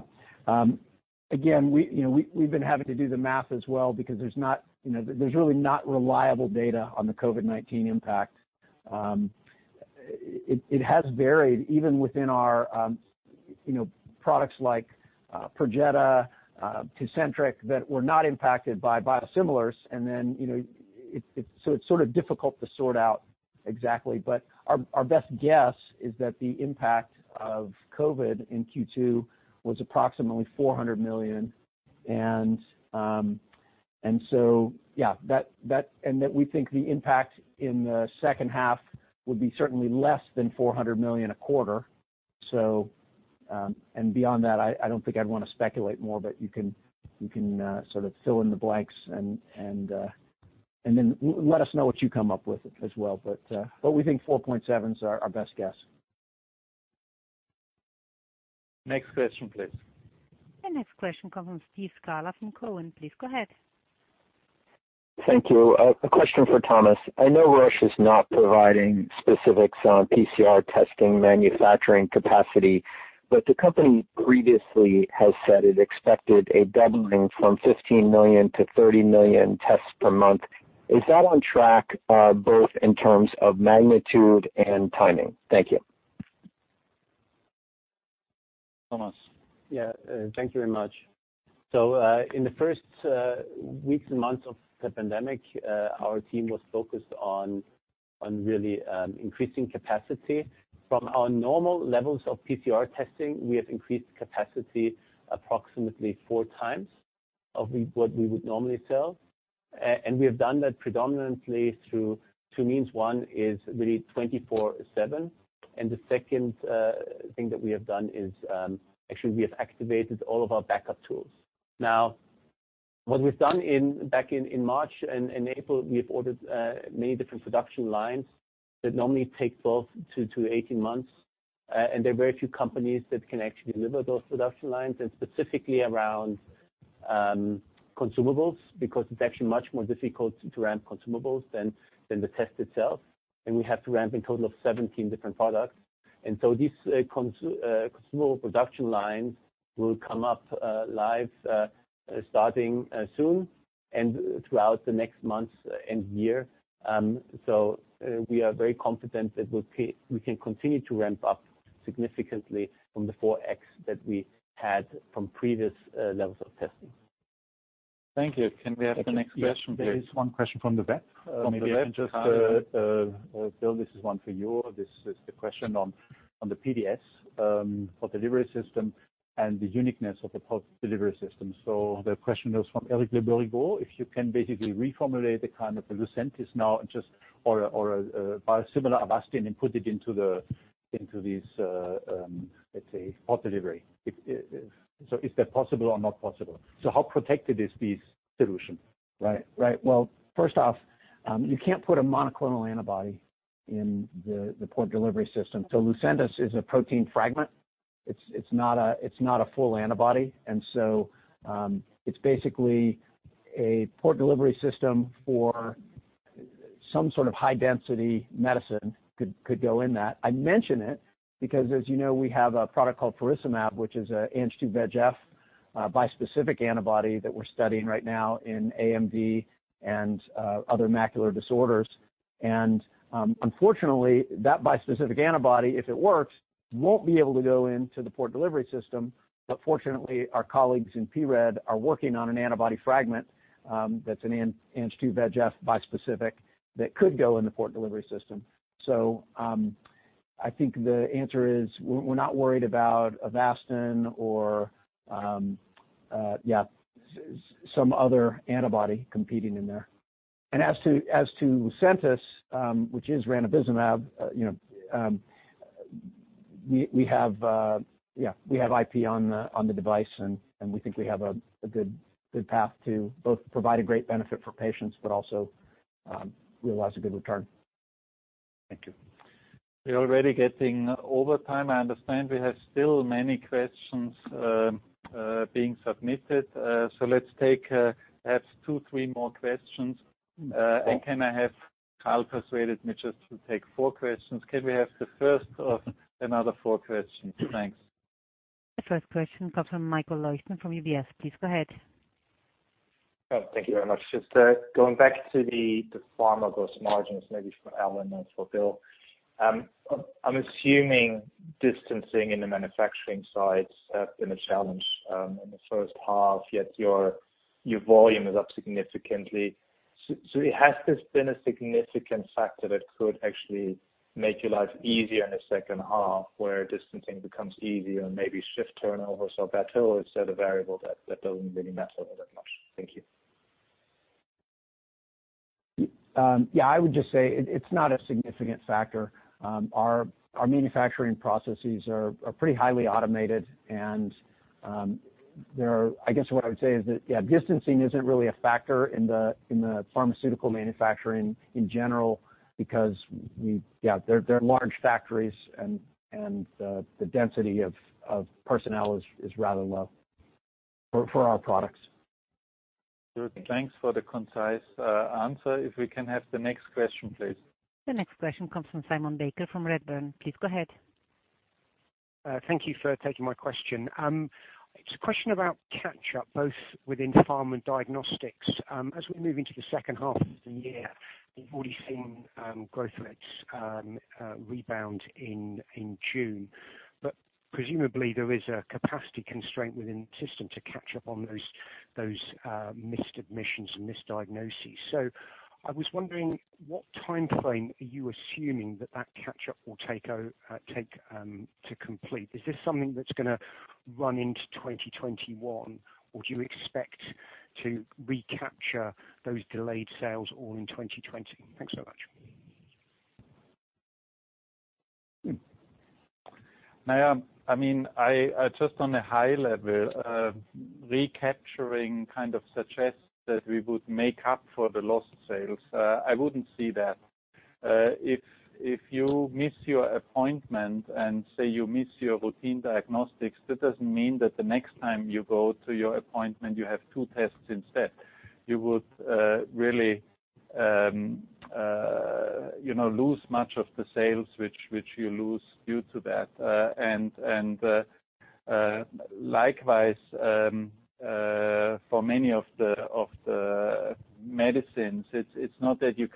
Again, we've been having to do the math as well because there's really not reliable data on the COVID-19 impact. It has varied even within our products like Perjeta, Tecentriq, that were not impacted by biosimilars. it's sort of difficult to sort out exactly. Our best guess is that the impact of COVID in Q2 was approximately CHF 400 million. we think the impact in the second half would be certainly less than 400 million a quarter. Beyond that, I don't think I'd want to speculate more, you can sort of fill in the blanks, let us know what you come up with as well. we think 4.7 billion is our best guess. Next question, please. The next question comes from Steve Scala from Cowen. Please go ahead. Thank you. A question for Thomas. I know Roche is not providing specifics on PCR testing manufacturing capacity, but the company previously has said it expected a doubling from 15 million to 30 million tests per month. Is that on track, both in terms of magnitude and timing? Thank you. Thomas. Yeah. Thank you very much. In the first weeks and months of the pandemic, our team was focused on really increasing capacity. From our normal levels of PCR testing, we have increased capacity approximately 4x of what we would normally sell. We have done that predominantly through two means. One is really 24/7. The second thing that we have done is actually we have activated all of our backup tools. What we've done back in March and April, we've ordered many different production lines that normally take 12-18 months. There are very few companies that can actually deliver those production lines specifically around consumables, because it's actually much more difficult to ramp consumables than the test itself. We have to ramp a total of 17 different products. These consumable production lines will come up live starting soon and throughout the next months and year. We are very confident that we can continue to ramp up significantly from the 4x that we had from previous levels of testing. Thank you. Can we have the next question, please? There is one question from the back. Maybe I can, Bill, this is one for you. This is the question on the PDS, port delivery system, and the uniqueness of the port delivery system. The question is from Eric Le Berrigaud. If you can basically reformulate the kind that LUCENTIS now just, or a similar Avastin and put it into these, let's say, port delivery. Is that possible or not possible? How protected is this solution? Right. Well, first off, you can't put a monoclonal antibody in the port delivery system. LUCENTIS is a protein fragment. It's not a full antibody. It's basically a port delivery system for some sort of high-density medicine could go in that. I mention it because, as you know, we have a product called faricimab, which is an Ang-2/VEGF bispecific antibody that we're studying right now in AMD and other macular disorders. Unfortunately, that bispecific antibody, if it works, won't be able to go into the port delivery system. Fortunately, our colleagues in pRED are working on an antibody fragment that's an Ang-2/VEGF bispecific that could go in the port delivery system. I think the answer is, we're not worried about Avastin or some other antibody competing in there. As to LUCENTIS, which is ranibizumab, we have IP on the device, and we think we have a good path to both provide a great benefit for patients, but also realize a good return. Thank you. We're already getting over time. I understand we have still many questions being submitted. Let's take perhaps two, three more questions. Karl persuaded me just to take four questions. Can we have the first of another four questions? Thanks. The first question comes from Michael Leuchten from UBS. Please go ahead. Thank you very much. Just going back to the pharma gross margins, maybe for Alan and for Bill. I'm assuming distancing in the manufacturing side has been a challenge in the first half, yet your volume is up significantly. Has this been a significant factor that could actually make your life easier in the second half, where distancing becomes easier and maybe shift turnover? That hill is at a variable that doesn't really matter all that much. Thank you. Yeah, I would just say it's not a significant factor. Our manufacturing processes are pretty highly automated, and I guess what I would say is that, yeah, distancing isn't really a factor in the pharmaceutical manufacturing in general because they're large factories and the density of personnel is rather low for our products. Good. Thanks for the concise answer. If we can have the next question, please. The next question comes from Simon Baker from Redburn. Please go ahead. Thank you for taking my question. It's a question about catch-up, both within pharma and diagnostics. As we move into the second half of the year, we've already seen growth rates rebound in June. Presumably, there is a capacity constraint within the system to catch up on those missed admissions and missed diagnoses. I was wondering, what timeframe are you assuming that that catch-up will take to complete? Is this something that's going to run into 2021, or do you expect to recapture those delayed sales all in 2020? Thanks so much. Just on a high level, recapturing kind of suggests that we would make up for the lost sales. I wouldn't see that. If you miss your appointment and say you miss your routine diagnostics, that doesn't mean that the next time you go to your appointment, you have two tests instead. You would really lose much of the sales, which you lose due to that. Likewise for many of the medicines, it's not that you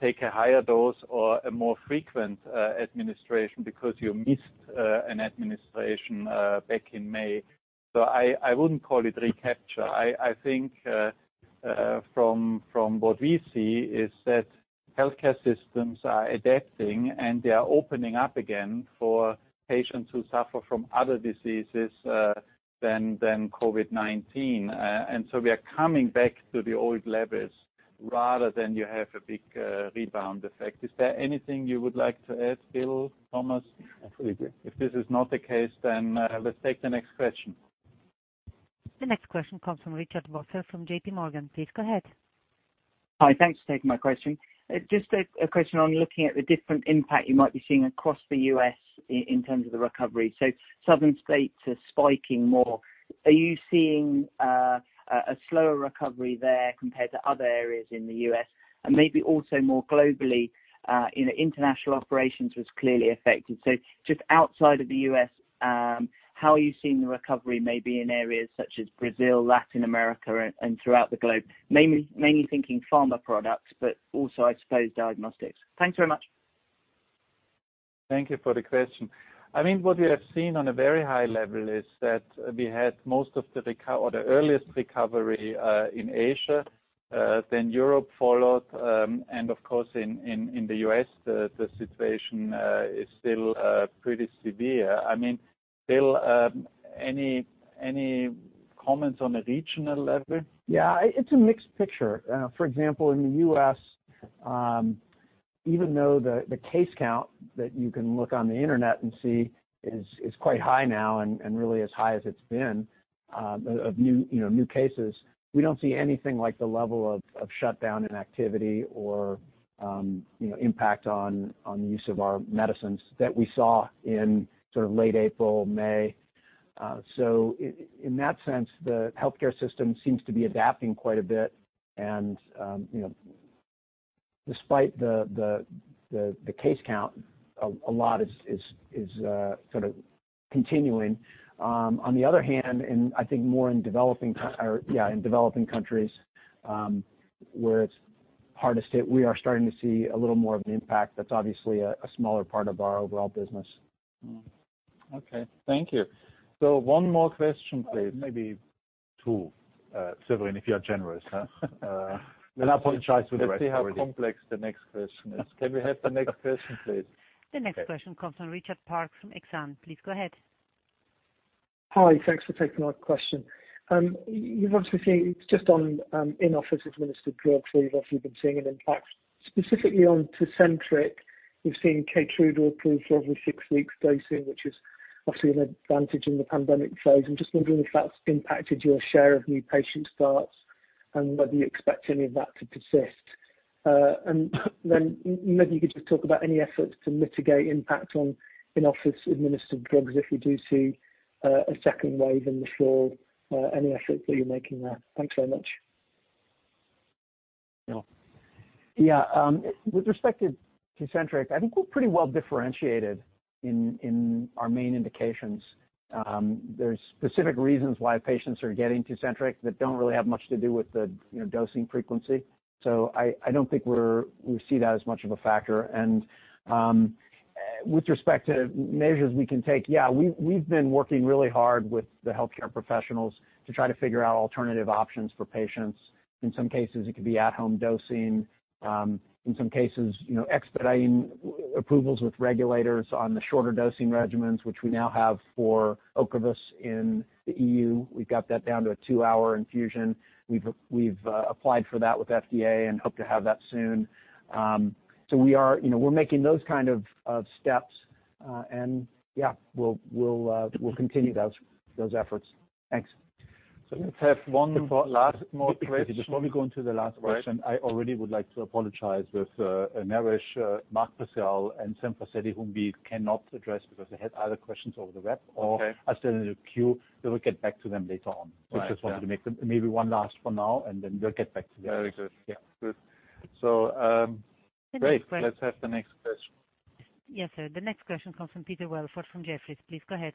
take a higher dose or a more frequent administration because you missed an administration back in May. I wouldn't call it recapture. I think from what we see is that healthcare systems are adapting, and they are opening up again for patients who suffer from other diseases than COVID-19. We are coming back to the old levels rather than you have a big rebound effect. Is there anything you would like to add, Bill, Thomas? Absolutely. If this is not the case, let's take the next question. The next question comes from Richard Vosser from JPMorgan. Please go ahead. Hi. Thanks for taking my question. Just a question on looking at the different impact you might be seeing across the U.S. in terms of the recovery. Southern states are spiking more. Are you seeing a slower recovery there compared to other areas in the U.S.? Maybe also more globally, international operations was clearly affected. Just outside of the U.S., how are you seeing the recovery maybe in areas such as Brazil, Latin America, and throughout the globe? Mainly thinking pharma products, but also, I suppose, diagnostics. Thanks very much. Thank you for the question. What we have seen on a very high level is that we had most of the recover or the earliest recovery in Asia, then Europe followed, and of course in the U.S., the situation is still pretty severe. Bill, any comments on a regional level? Yeah. It's a mixed picture. For example, in the U.S., even though the case count that you can look on the internet and see is quite high now and really as high as it's been of new cases, we don't see anything like the level of shutdown in activity or impact on use of our medicines that we saw in sort of late April, May. In that sense, the healthcare system seems to be adapting quite a bit and despite the case count, a lot is sort of continuing. On the other hand, and I think more in developing countries where it's hard to say, we are starting to see a little more of an impact. That's obviously a smaller part of our overall business. Okay. Thank you. One more question, please. Maybe two, Severin, if you are generous. I apologize to the rest already. Let's see how complex the next question is. Can we have the next question, please? The next question comes from Richard Parkes from Exane. Please go ahead. Hi. Thanks for taking my question. You've obviously seen, just on in-office administered drugs, where you've obviously been seeing an impact. Specifically on Tecentriq, we've seen Keytruda approved for every six weeks dosing, which is obviously an advantage in the pandemic phase. I'm just wondering if that's impacted your share of new patient starts and whether you expect any of that to persist. Then maybe you could just talk about any efforts to mitigate impact on in-office administered drugs if we do see a second wave in the fall, any efforts that you're making there. Thanks very much. Yeah. With respect to Tecentriq, I think we're pretty well differentiated in our main indications. There's specific reasons why patients are getting Tecentriq that don't really have much to do with the dosing frequency. I don't think we see that as much of a factor. With respect to measures we can take, yeah, we've been working really hard with the healthcare professionals to try to figure out alternative options for patients. In some cases, it could be at-home dosing. In some cases, expediting approvals with regulators on the shorter dosing regimens, which we now have for OCREVUS in the EU. We've got that down to a two-hour infusion. We've applied for that with FDA and hope to have that soon. We're making those kind of steps. Yeah, we'll continue those efforts. Thanks. Let's have one last more question. Just before we go into the last question. Right I already would like to apologize with Naresh, Mark Purcell, and Sam Fazeli, whom we cannot address because they had other questions over the web-. Okay. They are still in the queue. We will get back to them later on. Right. Yeah. I just wanted to make them, maybe one last for now, and then we'll get back to the others. Very good. Yeah. Good. Great. Let's have the next question. Yes, sir. The next question comes from Peter Welford from Jefferies. Please go ahead.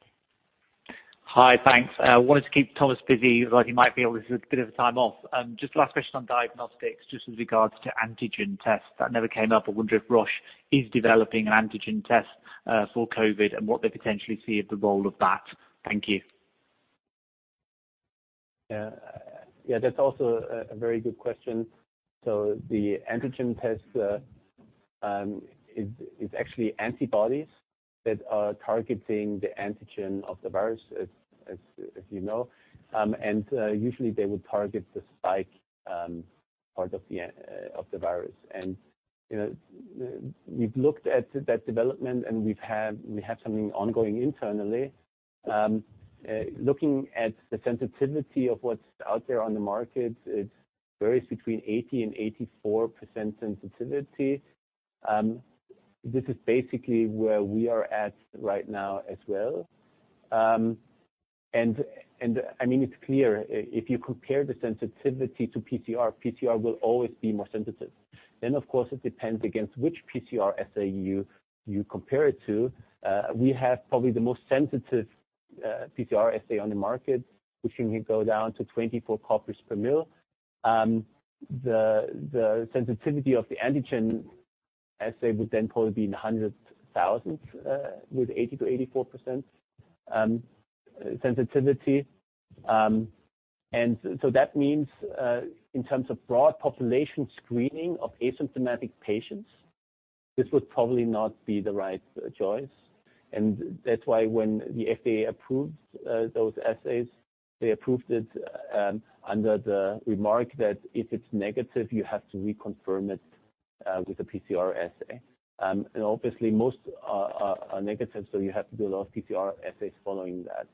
Hi. Thanks. I wanted to keep Thomas busy. Thought he might be able to give a bit of time off. Just last question on diagnostics, just with regards to antigen tests. That never came up. I wonder if Roche is developing an antigen test for COVID and what they potentially see as the role of that. Thank you. Yeah. That's also a very good question. The antigen test is actually antibodies that are targeting the antigen of the virus, as you know. Usually they would target the spike part of the virus. We've looked at that development and we have something ongoing internally. Looking at the sensitivity of what's out there on the market, it varies between 80% and 84% sensitivity. This is basically where we are at right now as well. It's clear if you compare the sensitivity to PCR will always be more sensitive. Of course, it depends against which PCR assay you compare it to. We have probably the most sensitive PCR assay on the market, which can go down to 24 copies per mil. The sensitivity of the antigen assay would then probably be in the hundred thousands with 80%-84% sensitivity. That means, in terms of broad population screening of asymptomatic patients, this would probably not be the right choice. That's why when the FDA approved those assays, they approved it under the remark that if it's negative, you have to reconfirm it with a PCR assay. Obviously most are negative, so you have to do a lot of PCR assays following that.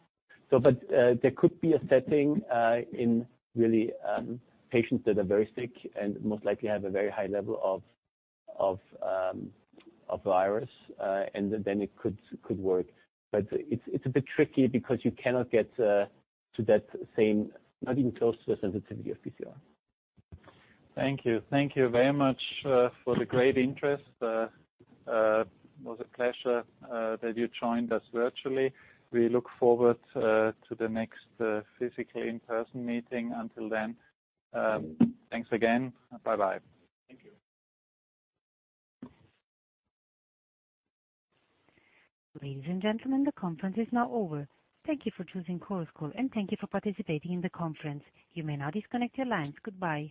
There could be a setting in really patients that are very sick and most likely have a very high level of virus and then it could work. It's a bit tricky because you cannot get to that same, not even close to the sensitivity of PCR. Thank you. Thank you very much for the great interest. It was a pleasure that you joined us virtually. We look forward to the next physically in-person meeting. Until then, thanks again. Bye-bye. Thank you. Ladies and gentlemen, the conference is now over. Thank you for choosing Chorus Call, and thank you for participating in the conference. You may now disconnect your lines. Goodbye.